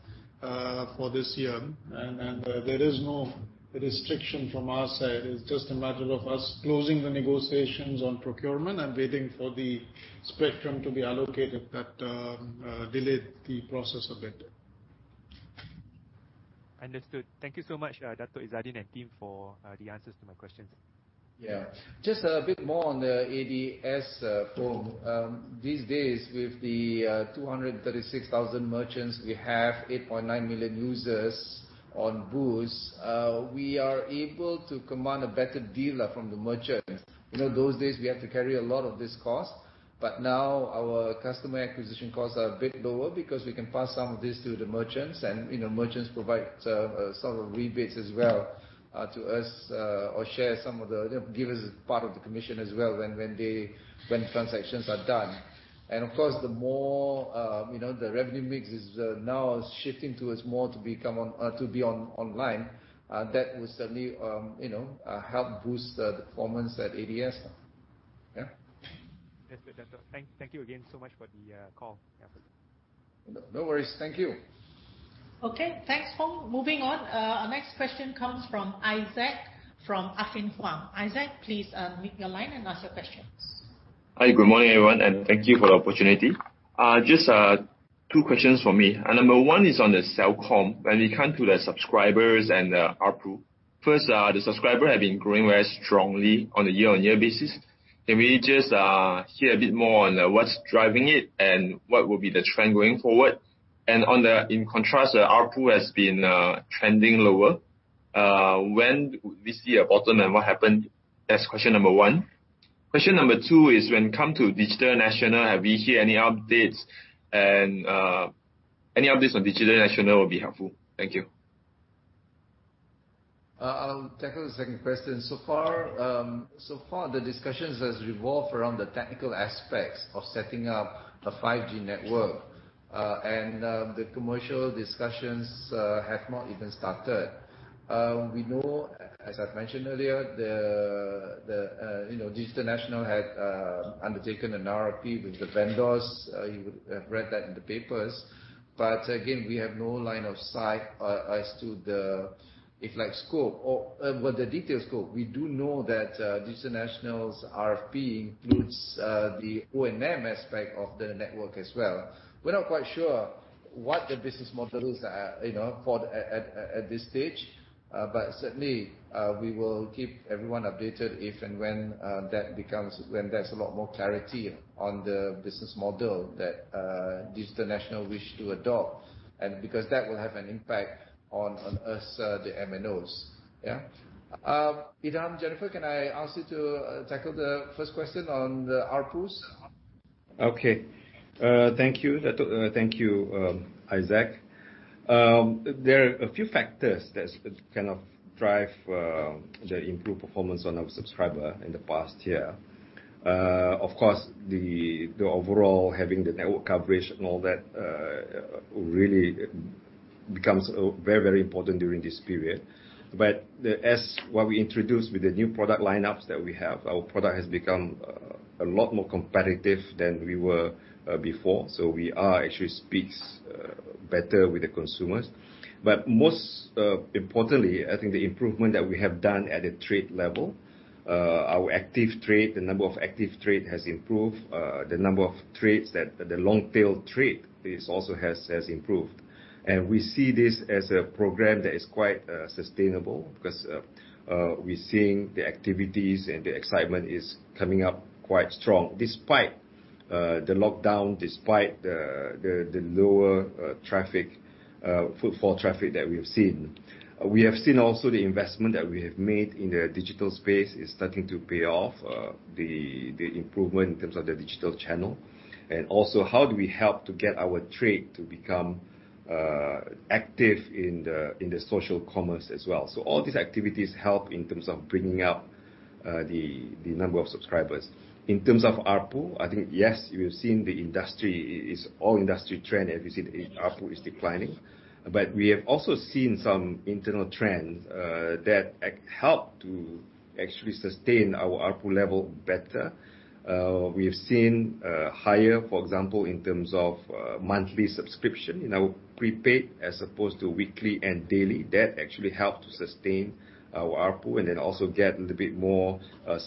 for this year. There is no restriction from our side. It's just a matter of us closing the negotiations on procurement and waiting for the spectrum to be allocated that delayed the process a bit. Understood. Thank you so much, Dato' Izzaddin and team for the answers to my questions. Yeah. Just a bit more on the ADS, Foong. These days, with the 236,000 merchants, we have 8.9 million users on Boost. We are able to command a better deal from the merchants. Those days, we have to carry a lot of this cost, but now our customer acquisition costs are a bit lower because we can pass some of this to the merchants, and merchants provide some rebates as well to us or give us a part of the commission as well when transactions are done. Of course, the revenue mix is now shifting towards more to be online. That will certainly help boost the performance at ADS. Yeah. Yes, Dato'. Thank you again so much for the call. Yeah. No worries. Thank you. Okay. Thanks, Foong. Moving on. Our next question comes from Isaac from Affin Hwang. Isaac, please mute your line and ask your questions. Hi. Good morning, everyone. Thank you for the opportunity. Just two questions from me. Number one is on the Celcom when it comes to the subscribers and ARPU. First, the subscribers have been growing very strongly on a year-on-year basis. Can we just hear a bit more on what's driving it and what would be the trend going forward? In contrast, the ARPU has been trending lower. When would we see a bottom and what happened? That's question number one. Question number two is when it comes to Digital Nasional, have we heard any updates? Any updates on Digital Nasional would be helpful. Thank you. I'll tackle the second question. So far, the discussions have revolved around the technical aspects of setting up a 5G network, and the commercial discussions have not even started. We know, as I've mentioned earlier, Digital Nasional had undertaken an RFP with the vendors. You would have read that in the papers. Again, we have no line of sight as to the exact scope or the detail scope. We do know that Digital Nasional's RFP includes the O&M aspect of the network as well. We're not quite sure what the business model is at this stage. Certainly, we will keep everyone updated if and when there's a lot more clarity on the business model that Digital Nasional wish to adopt and because that will have an impact on us, the MNOs. Yeah. Idham, Jennifer, can I ask you to tackle the first question on the ARPU? Okay. Thank you, Isaac. There are a few factors that kind of drive the improved performance on our subscriber in the past year. Of course, the overall having the network coverage and all that really becomes very, very important during this period. As what we introduced with the new product lineups that we have, our product has become a lot more competitive than we were before. We are actually speaks better with the consumers. Most importantly, I think the improvement that we have done at the trade level. Our active trade, the number of active trade has improved. The number of trades that the long-tail trade is also has improved. We see this as a program that is quite sustainable because we're seeing the activities and the excitement is coming up quite strong despite the lockdown, despite the lower footfall traffic that we've seen. We have seen also the investment that we have made in the digital space is starting to pay off, the improvement in terms of the digital channel. How do we help to get our trade to become active in the social commerce as well. All these activities help in terms of bringing up the number of subscribers. In terms of ARPU, I think, yes, we've seen the industry is all industry trend, and we see the ARPU is declining. We have also seen some internal trends that help to actually sustain our ARPU level better. We have seen higher, for example, in terms of monthly subscription in our prepaid as opposed to weekly and daily. That actually helped to sustain our ARPU and then also get a little bit more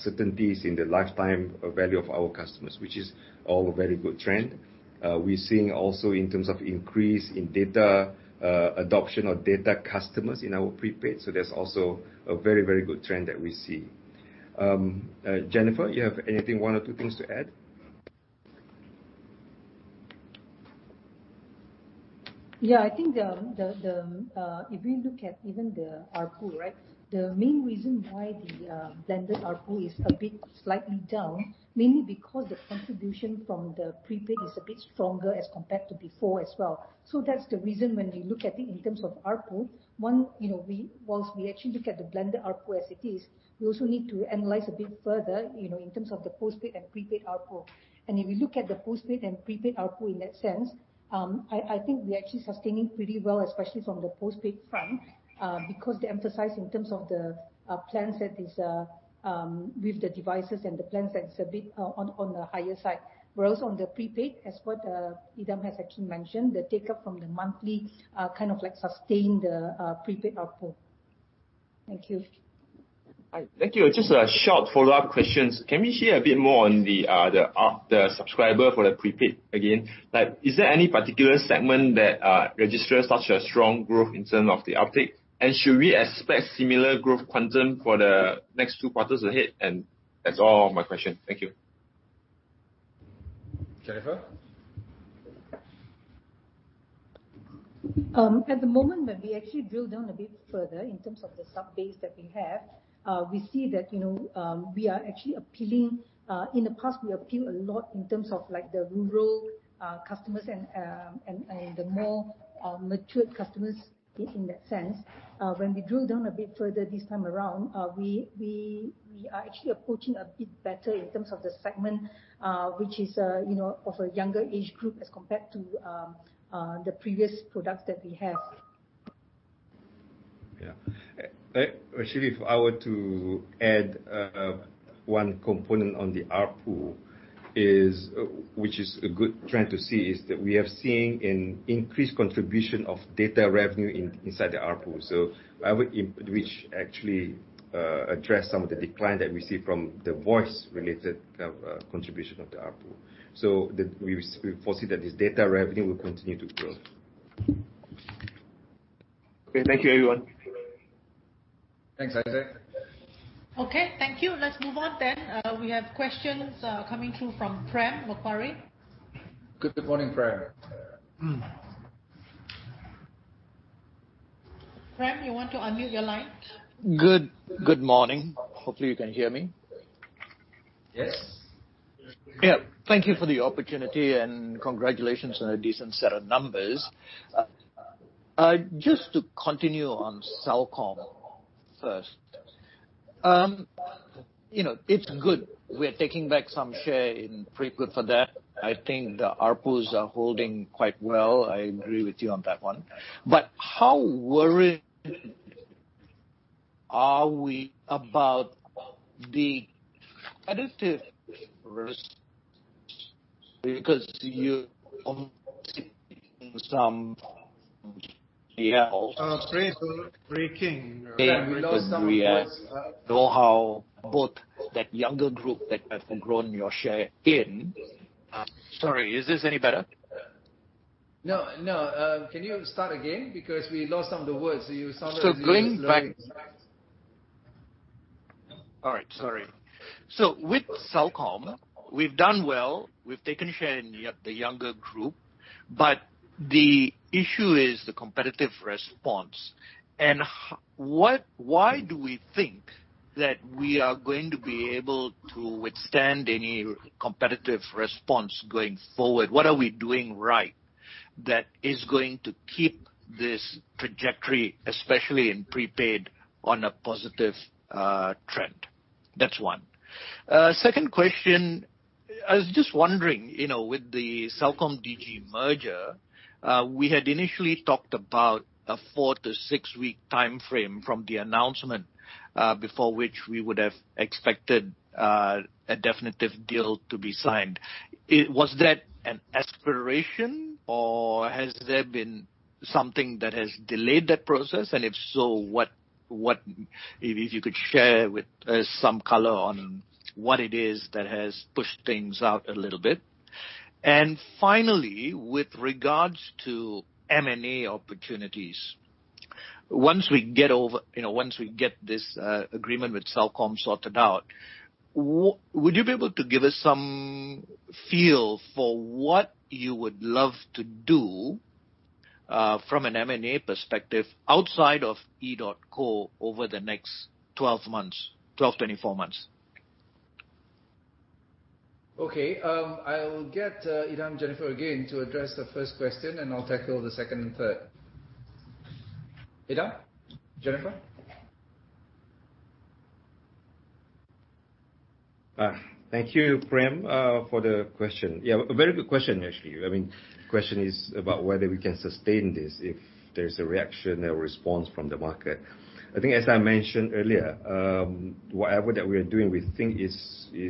certainties in the lifetime value of our customers, which is all a very good trend. We're seeing also in terms of increase in data, adoption of data customers in our prepaid. That's also a very, very good trend that we see. Jennifer, you have anything, one or two things to add? I think if you look at even the ARPU, the main reason why the blended ARPU is a bit slightly down, mainly because the contribution from the prepaid is a bit stronger as compared to before as well. That's the reason when we look at it in terms of ARPU. One, while we actually look at the blended ARPU as it is, we also need to analyze a bit further, in terms of the postpaid and prepaid ARPU. If you look at the postpaid and prepaid ARPU in that sense, I think we're actually sustaining pretty well, especially from the postpaid front, because the emphasis in terms of the plans that is with the devices and the plans that is a bit on the higher side. On the prepaid, as what Idham has actually mentioned, the take-up from the monthly kind of like sustain the prepaid ARPU. Thank you. Thank you. Just a short follow-up question. Can we hear a bit more on the subscriber for the prepaid again? Is there any particular segment that registers such a strong growth in terms of the uptake? Should we expect similar growth quantum for the next two quarters ahead? That's all of my question. Thank you. Jennifer? At the moment, when we actually drill down a bit further in terms of the subbase that we have, we see that in the past we appeal a lot in terms of the rural customers and the more matured customers in that sense. When we drill down a bit further this time around, we are actually approaching a bit better in terms of the segment, which is of a younger age group as compared to the previous products that we have. Yeah. Actually, if I were to add one component on the ARPU, which is a good trend to see, is that we have seen an increased contribution of data revenue inside the ARPU. Which actually address some of the decline that we see from the voice-related contribution of the ARPU. We foresee that this data revenue will continue to grow. Okay. Thank you, everyone. Thanks, Isaac. Okay. Thank you. Let's move on then. We have questions coming through from Prem Jearajasingam. Good morning, Prem. Prem, you want to unmute your line? Good morning. Hopefully you can hear me. Yes. Thank you for the opportunity. Congratulations on a decent set of numbers. Just to continue on Celcom first. It's good. We're taking back some share and frequent for that. I think the ARPU is holding quite well. I agree with you on that one. How worried are we about the competitive response? You're obviously seeing some know how both that younger group that have grown your share in. Sorry, is this any better? No. Can you start again? We lost some of the words. Going back. All right. Sorry. With Celcom, we've done well. We've taken share in the younger group, but the issue is the competitive response. Why do we think that we are going to be able to withstand any competitive response going forward? What are we doing right that is going to keep this trajectory, especially in prepaid, on a positive trend? That's one. Second question, I was just wondering, with the Celcom Digi merger, we had initially talked about a four to six-week timeframe from the announcement, before which we would have expected a definitive deal to be signed. Was that an aspiration, or has there been something that has delayed that process? If so, maybe if you could share with some color on what it is that has pushed things out a little bit. Finally, with regards to M&A opportunities. Once we get this agreement with Celcom sorted out, would you be able to give us some feel for what you would love to do, from an M&A perspective, outside of EDOTCO over the next 12-24 months? Okay. I'll get Idham, Jennifer again to address the first question, and I'll tackle the second and third. Idham, Jennifer. Thank you, Prem, for the question. Yeah, a very good question, actually. The question is about whether we can sustain this if there's a reaction or response from the market. I think as I mentioned earlier, whatever that we are doing, we think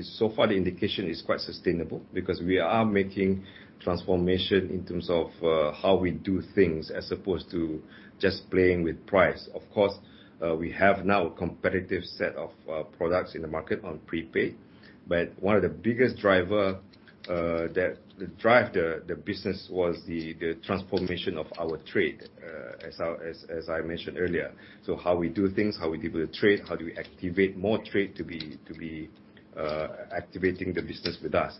so far the indication is quite sustainable because we are making transformation in terms of how we do things as opposed to just playing with price. Of course, we have now a competitive set of products in the market on prepaid, one of the biggest driver that drive the business was the transformation of our trade, as I mentioned earlier. How we do things, how we deliver trade, how do we activate more trade to be activating the business with us.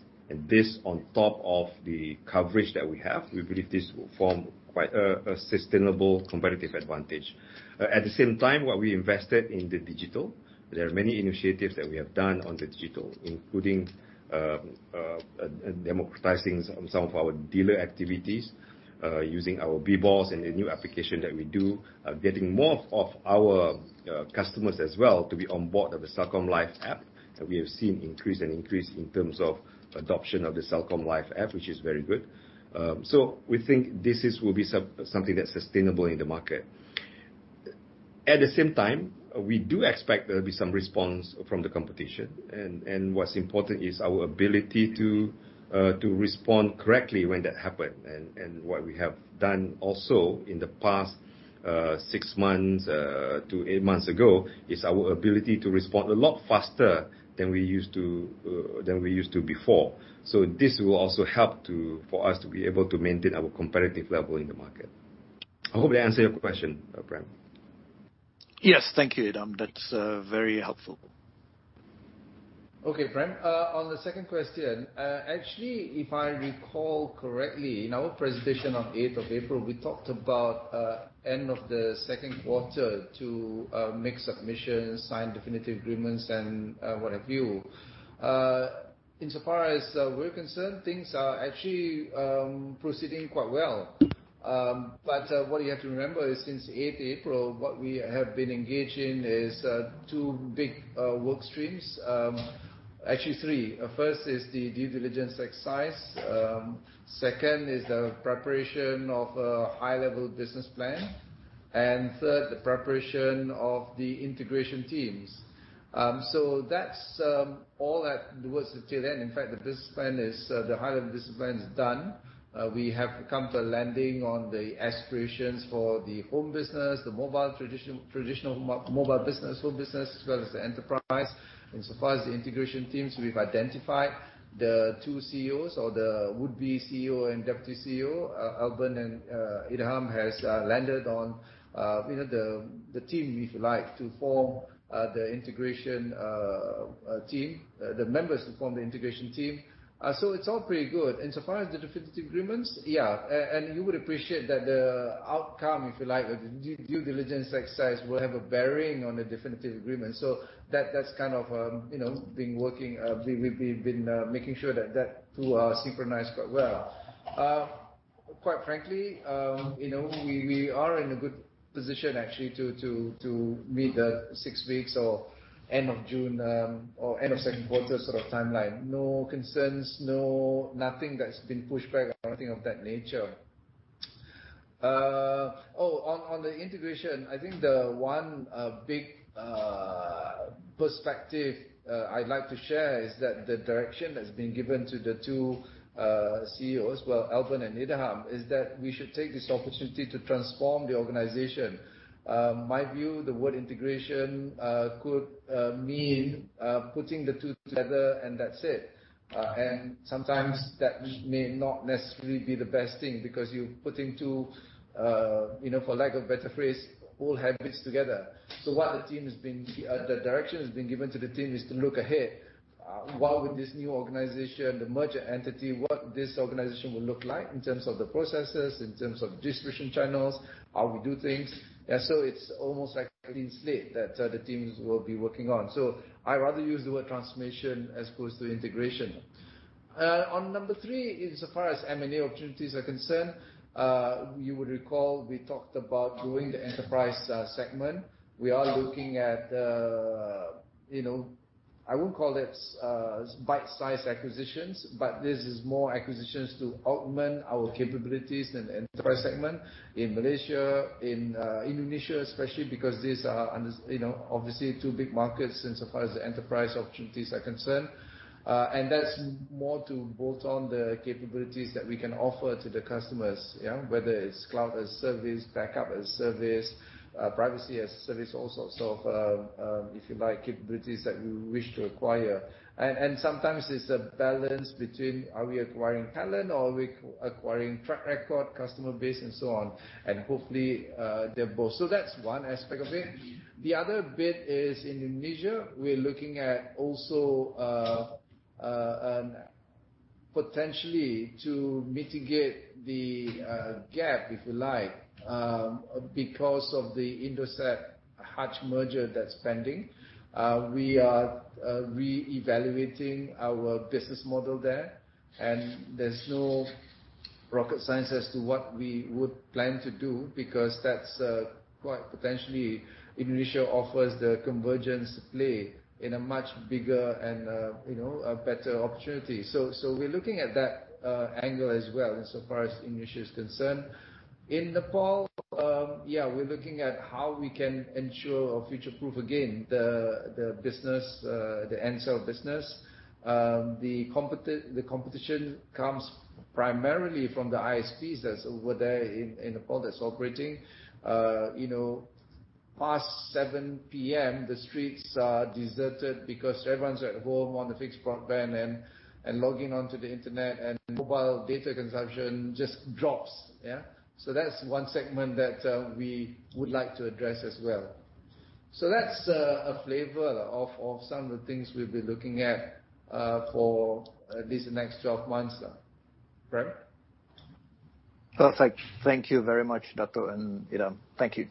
This on top of the coverage that we have, we believe this will form quite a sustainable competitive advantage. The same time, while we invested in the digital, there are many initiatives that we have done on the digital, including democratizing some of our dealer activities, using our B/OSS and the new application that we do, getting more of our customers as well to be on board of the Celcom Life app. We have seen increase in terms of adoption of the Celcom Life app, which is very good. We think this will be something that's sustainable in the market. The same time, we do expect there'll be some response from the competition and what's important is our ability to respond correctly when that happen. What we have done also in the past six months to eight months ago, is our ability to respond a lot faster than we used to before. This will also help for us to be able to maintain our competitive level in the market. I hope I answered your question, Prem. Yes. Thank you, Idham. That's very helpful. Okay, Prem. On the second question, actually, if I recall correctly, in our presentation on the 8th of April, we talked about end of the second quarter to make submissions, sign definitive agreements, and what have you. What you have to remember is since 8th April, what we have been engaged in is two big work streams. Actually, three. First is the due diligence exercise, second is the preparation of a high-level business plan, and third, the preparation of the integration teams. That's all at the work. In fact, the high-level business plan is done. We have come to landing on the aspirations for the home business, the traditional mobile business, home business, as well as the enterprise. In so far as the integration teams, we've identified the two CEOs or the would-be CEO and deputy CEO. Alvin and Idham has landed on the team, if you like, the members to form the integration team. It's all pretty good. In so far as the definitive agreements, yeah. You would appreciate that the outcome, if you like, of the due diligence exercise will have a bearing on the definitive agreement. That's kind of been working. We've been making sure that that two are synchronized quite well. Quite frankly, we are in a good position actually to meet the six weeks or end of June or end of second quarter sort of timeline. No concerns, nothing that's been pushed back or nothing of that nature. On the integration, I think the one big perspective I'd like to share is that the direction that's been given to the two CEOs, well, Albern and Idham, is that we should take this opportunity to transform the organization. My view, the word integration could mean putting the two together and that's it. Sometimes that may not necessarily be the best thing because you're putting two, for lack of a better phrase, whole habits together. The direction that's been given to the team is to look ahead. What would this new organization, the merger entity, what this organization will look like in terms of the processes, in terms of distribution channels, how we do things. It's almost like a clean slate that the teams will be working on. I'd rather use the word transformation as opposed to integration. On number three, insofar as M&A opportunities are concerned, you would recall we talked about growing the enterprise segment. We are looking at, I won't call it bite-sized acquisitions, but this is more acquisitions to augment our capabilities in the enterprise segment in Malaysia, in Indonesia, especially because these are obviously two big markets insofar as the enterprise opportunities are concerned. That's more to bolt on the capabilities that we can offer to the customers. Whether it's cloud as service, backup as service, privacy as service, all sorts of, if you like, capabilities that we wish to acquire. Sometimes it's a balance between are we acquiring talent or are we acquiring track record, customer base and so on. Hopefully, they're both. That's one aspect of it. The other bit is Indonesia. We're looking at also potentially to mitigate the gap, if you like, because of the Indosat Hutch merger that's pending. We are reevaluating our business model there's no rocket science as to what we would plan to do because that's what potentially Indonesia offers the convergence play in a much bigger and a better opportunity. We're looking at that angle as well insofar as Indonesia is concerned. In Nepal, we're looking at how we can ensure or future-proof again the Ncell business. The competition comes primarily from the ISPs that's over there in Nepal that's operating. Past 7:00 P.M., the streets are deserted because everyone's at home on a fixed broadband and logging onto the internet and mobile data consumption just drops. That's one segment that we would like to address as well. That's a flavor of some of the things we'll be looking at for at least the next 12 months. Prem. Perfect. Thank you very much, Dato' and Idham. Thank you.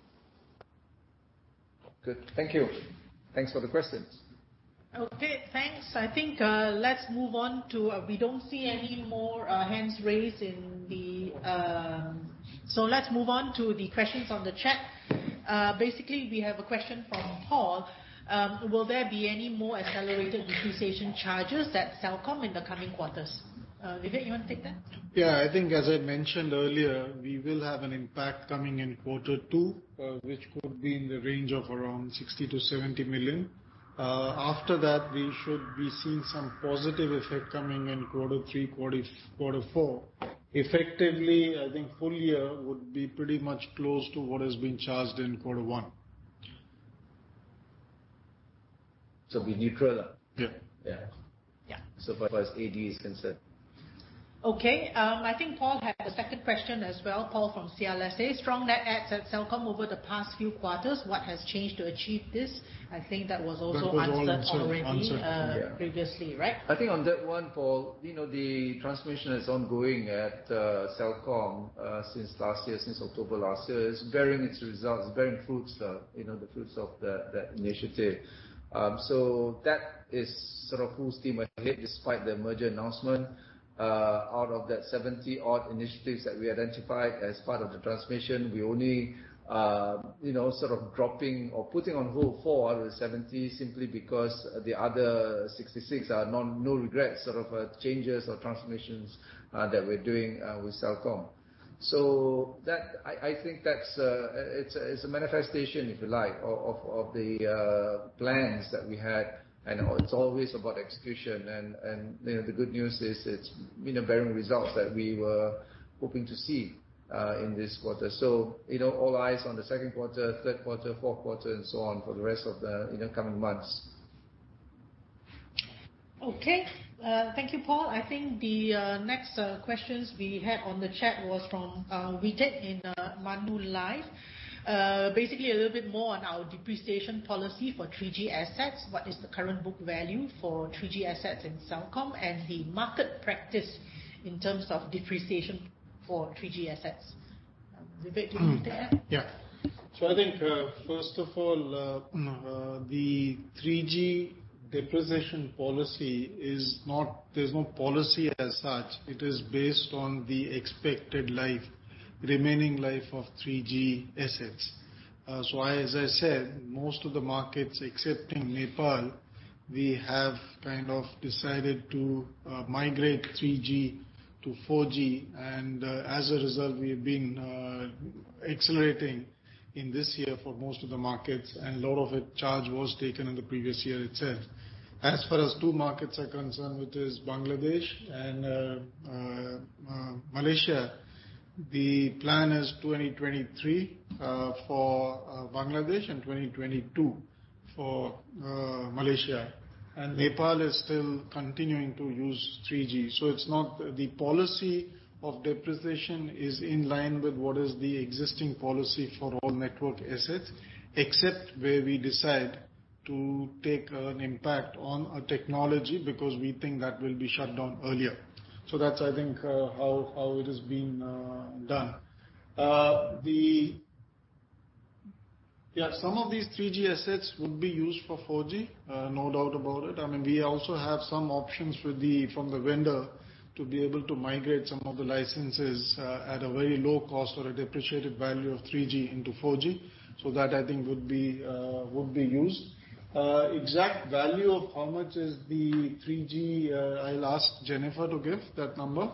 Good. Thank you. Thanks for the questions. Okay, thanks. We don't see any more hands raised in the. Let's move on to the questions on the chat. Basically, we have a question from Paul. Will there be any more accelerated depreciation charges at Celcom in the coming quarters? Idham, you want to take that? Yeah, I think as I mentioned earlier, we will have an impact coming in quarter two, which could be in the range of around 60 million-70 million. After that, we should be seeing some positive effect coming in quarter three, quarter four. Effectively, I think full year would be pretty much close to what has been charged in quarter one. We recur? Yeah. Yeah. So far as AD is concerned. Okay. I think Paul had a second question as well. Paul from CLSA. Strong net adds at Celcom over the past few quarters. What has changed to achieve this? I think that was also answered already previously, right? I think on that one, Paul, the transformation that's ongoing at Celcom, since last year, since October last year, is bearing its results, bearing fruits. The fruits of that initiative. That is sort of full steam ahead despite the merger announcement. Out of that 70 initiatives that we identified as part of the transformation, we only sort of dropping or putting on hold four out of 70 simply because the other 66 are no regrets, sort of changes or transformations that we're doing with Celcom. I think that it's a manifestation, if you like, of the plans that we had, and it's always about execution and the good news is it's bearing results that we were hoping to see in this quarter. All eyes on the second quarter, third quarter, fourth quarter, and so on for the rest of the coming months. Okay. Thank you, Paul. I think the next questions we had on the chat was from Wijed in Manila. Basically, a little bit more on our depreciation policy for 3G assets. What is the current book value for 3G assets in Celcom and the market practice in terms of depreciation for 3G assets? Vivek, can you take that? Yeah. I think, first of all, the 3G depreciation policy, there's no policy as such. It is based on the expected remaining life of 3G assets. As I said, most of the markets, excepting Nepal, we have decided to migrate 3G-4G. As a result, we've been accelerating in this year for most of the markets, and a lot of the charge was taken in the previous year itself. As far as two markets are concerned, which is Bangladesh and Malaysia, the plan is 2023 for Bangladesh and 2022 for Malaysia. Nepal is still continuing to use 3G. The policy of depreciation is in line with what is the existing policy for all network assets, except where we decide to take an impact on a technology because we think that will be shut down earlier. That's, I think, how it has been done. Some of these 3G assets would be used for 4G, no doubt about it. We also have some options from the vendor to be able to migrate some of the licenses at a very low cost or a depreciated value of 3G into 4G. That, I think, would be used. Exact value of how much is the 3G, I'll ask Jennifer to give that number.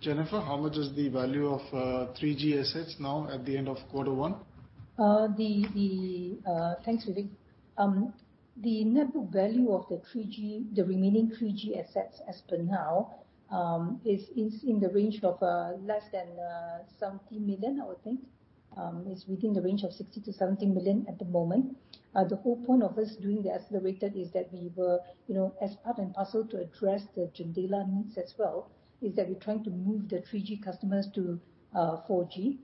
Jennifer, how much is the value of 3G assets now at the end of quarter one? Thanks, Vivek. The net book value of the remaining 3G assets as per now is in the range of less than 70 million, I would think. It's within the range of 60 million-70 million at the moment. The whole point of us doing the accelerated is that we were, as part and parcel to address the JENDELA needs as well, is that we're trying to move the 3G customers to 4G.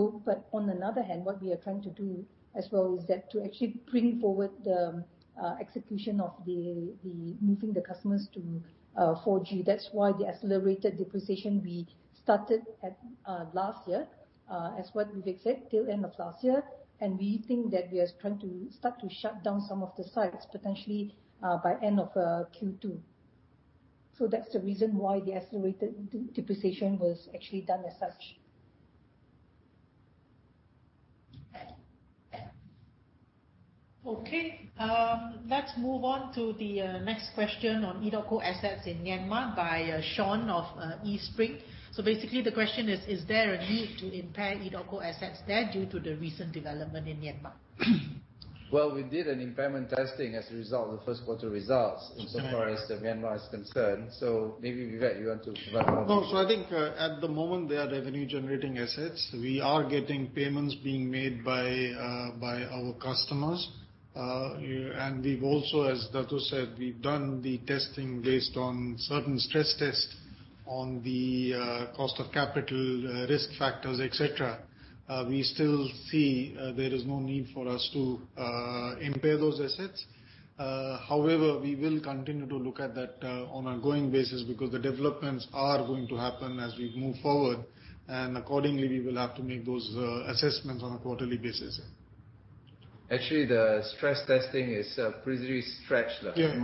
On another hand, what we are trying to do as well is that to actually bring forward the execution of moving the customers to 4G. That's why the accelerated depreciation we started last year, as what Vivek said, till end of last year. We think that we are trying to start to shut down some of the sites potentially by end of Q2. That's the reason why the accelerated depreciation was actually done as such. Let's move on to the next question on EDOTCO assets in Myanmar by Sean of Eastspring. The question is: Is there a need to impair EDOTCO assets there due to the recent development in Myanmar? Well, we did an impairment testing as a result of the first quarter results insofar as Myanmar is concerned. Maybe, Vivek, you want to provide more details. No. I think at the moment, they are revenue-generating assets. We are getting payments being made by our customers. We've also, as Dato' said, we've done the testing based on certain stress tests on the cost of capital risk factors, et cetera. We still see there is no need for us to impair those assets. However, we will continue to look at that on an ongoing basis because the developments are going to happen as we move forward. Accordingly, we will have to make those assessments on a quarterly basis. Actually, the stress testing is pretty stretched. Yeah.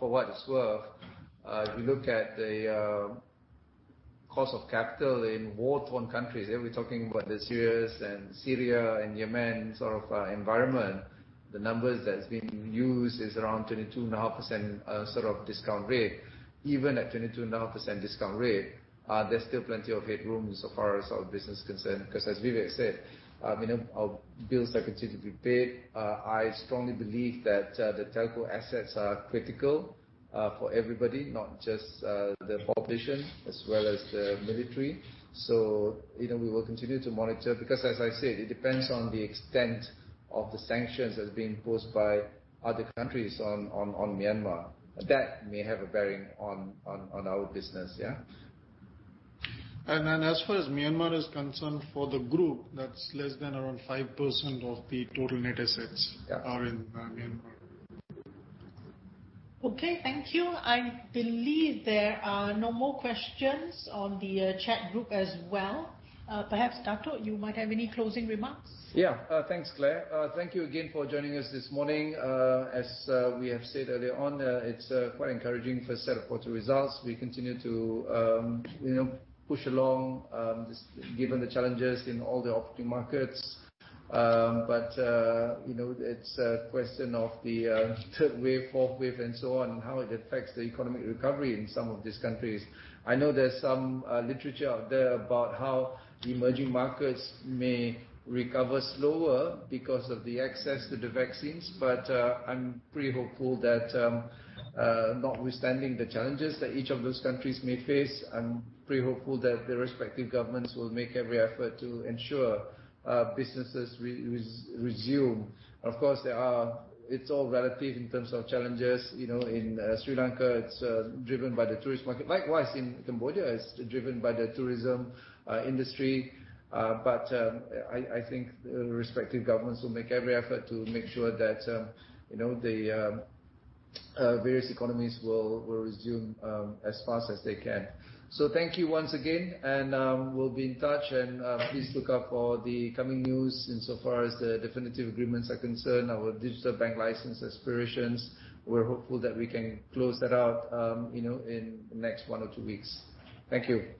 For what's it worth, if you look at the cost of capital in war-torn countries, we're talking about the Syria and Yemen sort of environment. The numbers that's being used is around 22.5% sort of discount rate. Even at 22.5% discount rate, there's still plenty of headroom so far as our business is concerned because as Vivek said, bills are continued to be paid. I strongly believe that the telco assets are critical for everybody, not just the population as well as the military. We will continue to monitor because as I said, it depends on the extent of the sanctions that have been imposed by other countries on Myanmar. That may have a bearing on our business, yeah. As far as Myanmar is concerned for the group, that's less than around 5% of the total net assets are in Myanmar. Okay. Thank you. I believe there are no more questions on the chat group as well. Perhaps, Dato', you might have any closing remarks? Yeah. Thanks, Clare. Thank you again for joining us this morning. As we have said earlier on, it's quite encouraging first set of quarter results. We continue to push along despite giving the challenges in all the operating markets. It's a question of the third wave, fourth wave, and so on, how it affects the economic recovery in some of these countries. I know there's some literature out there about how the emerging markets may recover slower because of the access to the vaccines. I'm pretty hopeful that notwithstanding the challenges that each of those countries may face, I'm pretty hopeful that the respective governments will make every effort to ensure businesses resume. Of course, it's all relative in terms of challenges. In Sri Lanka, it's driven by the tourism market. Likewise, in Cambodia, it's driven by the tourism industry. I think the respective governments will make every effort to make sure that the various economies will resume as fast as they can. Thank you once again, and we'll be in touch. Please look out for the coming news insofar as the definitive agreements are concerned. Our digital bank license expirations, we're hopeful that we can close that out in the next one or two weeks. Thank you.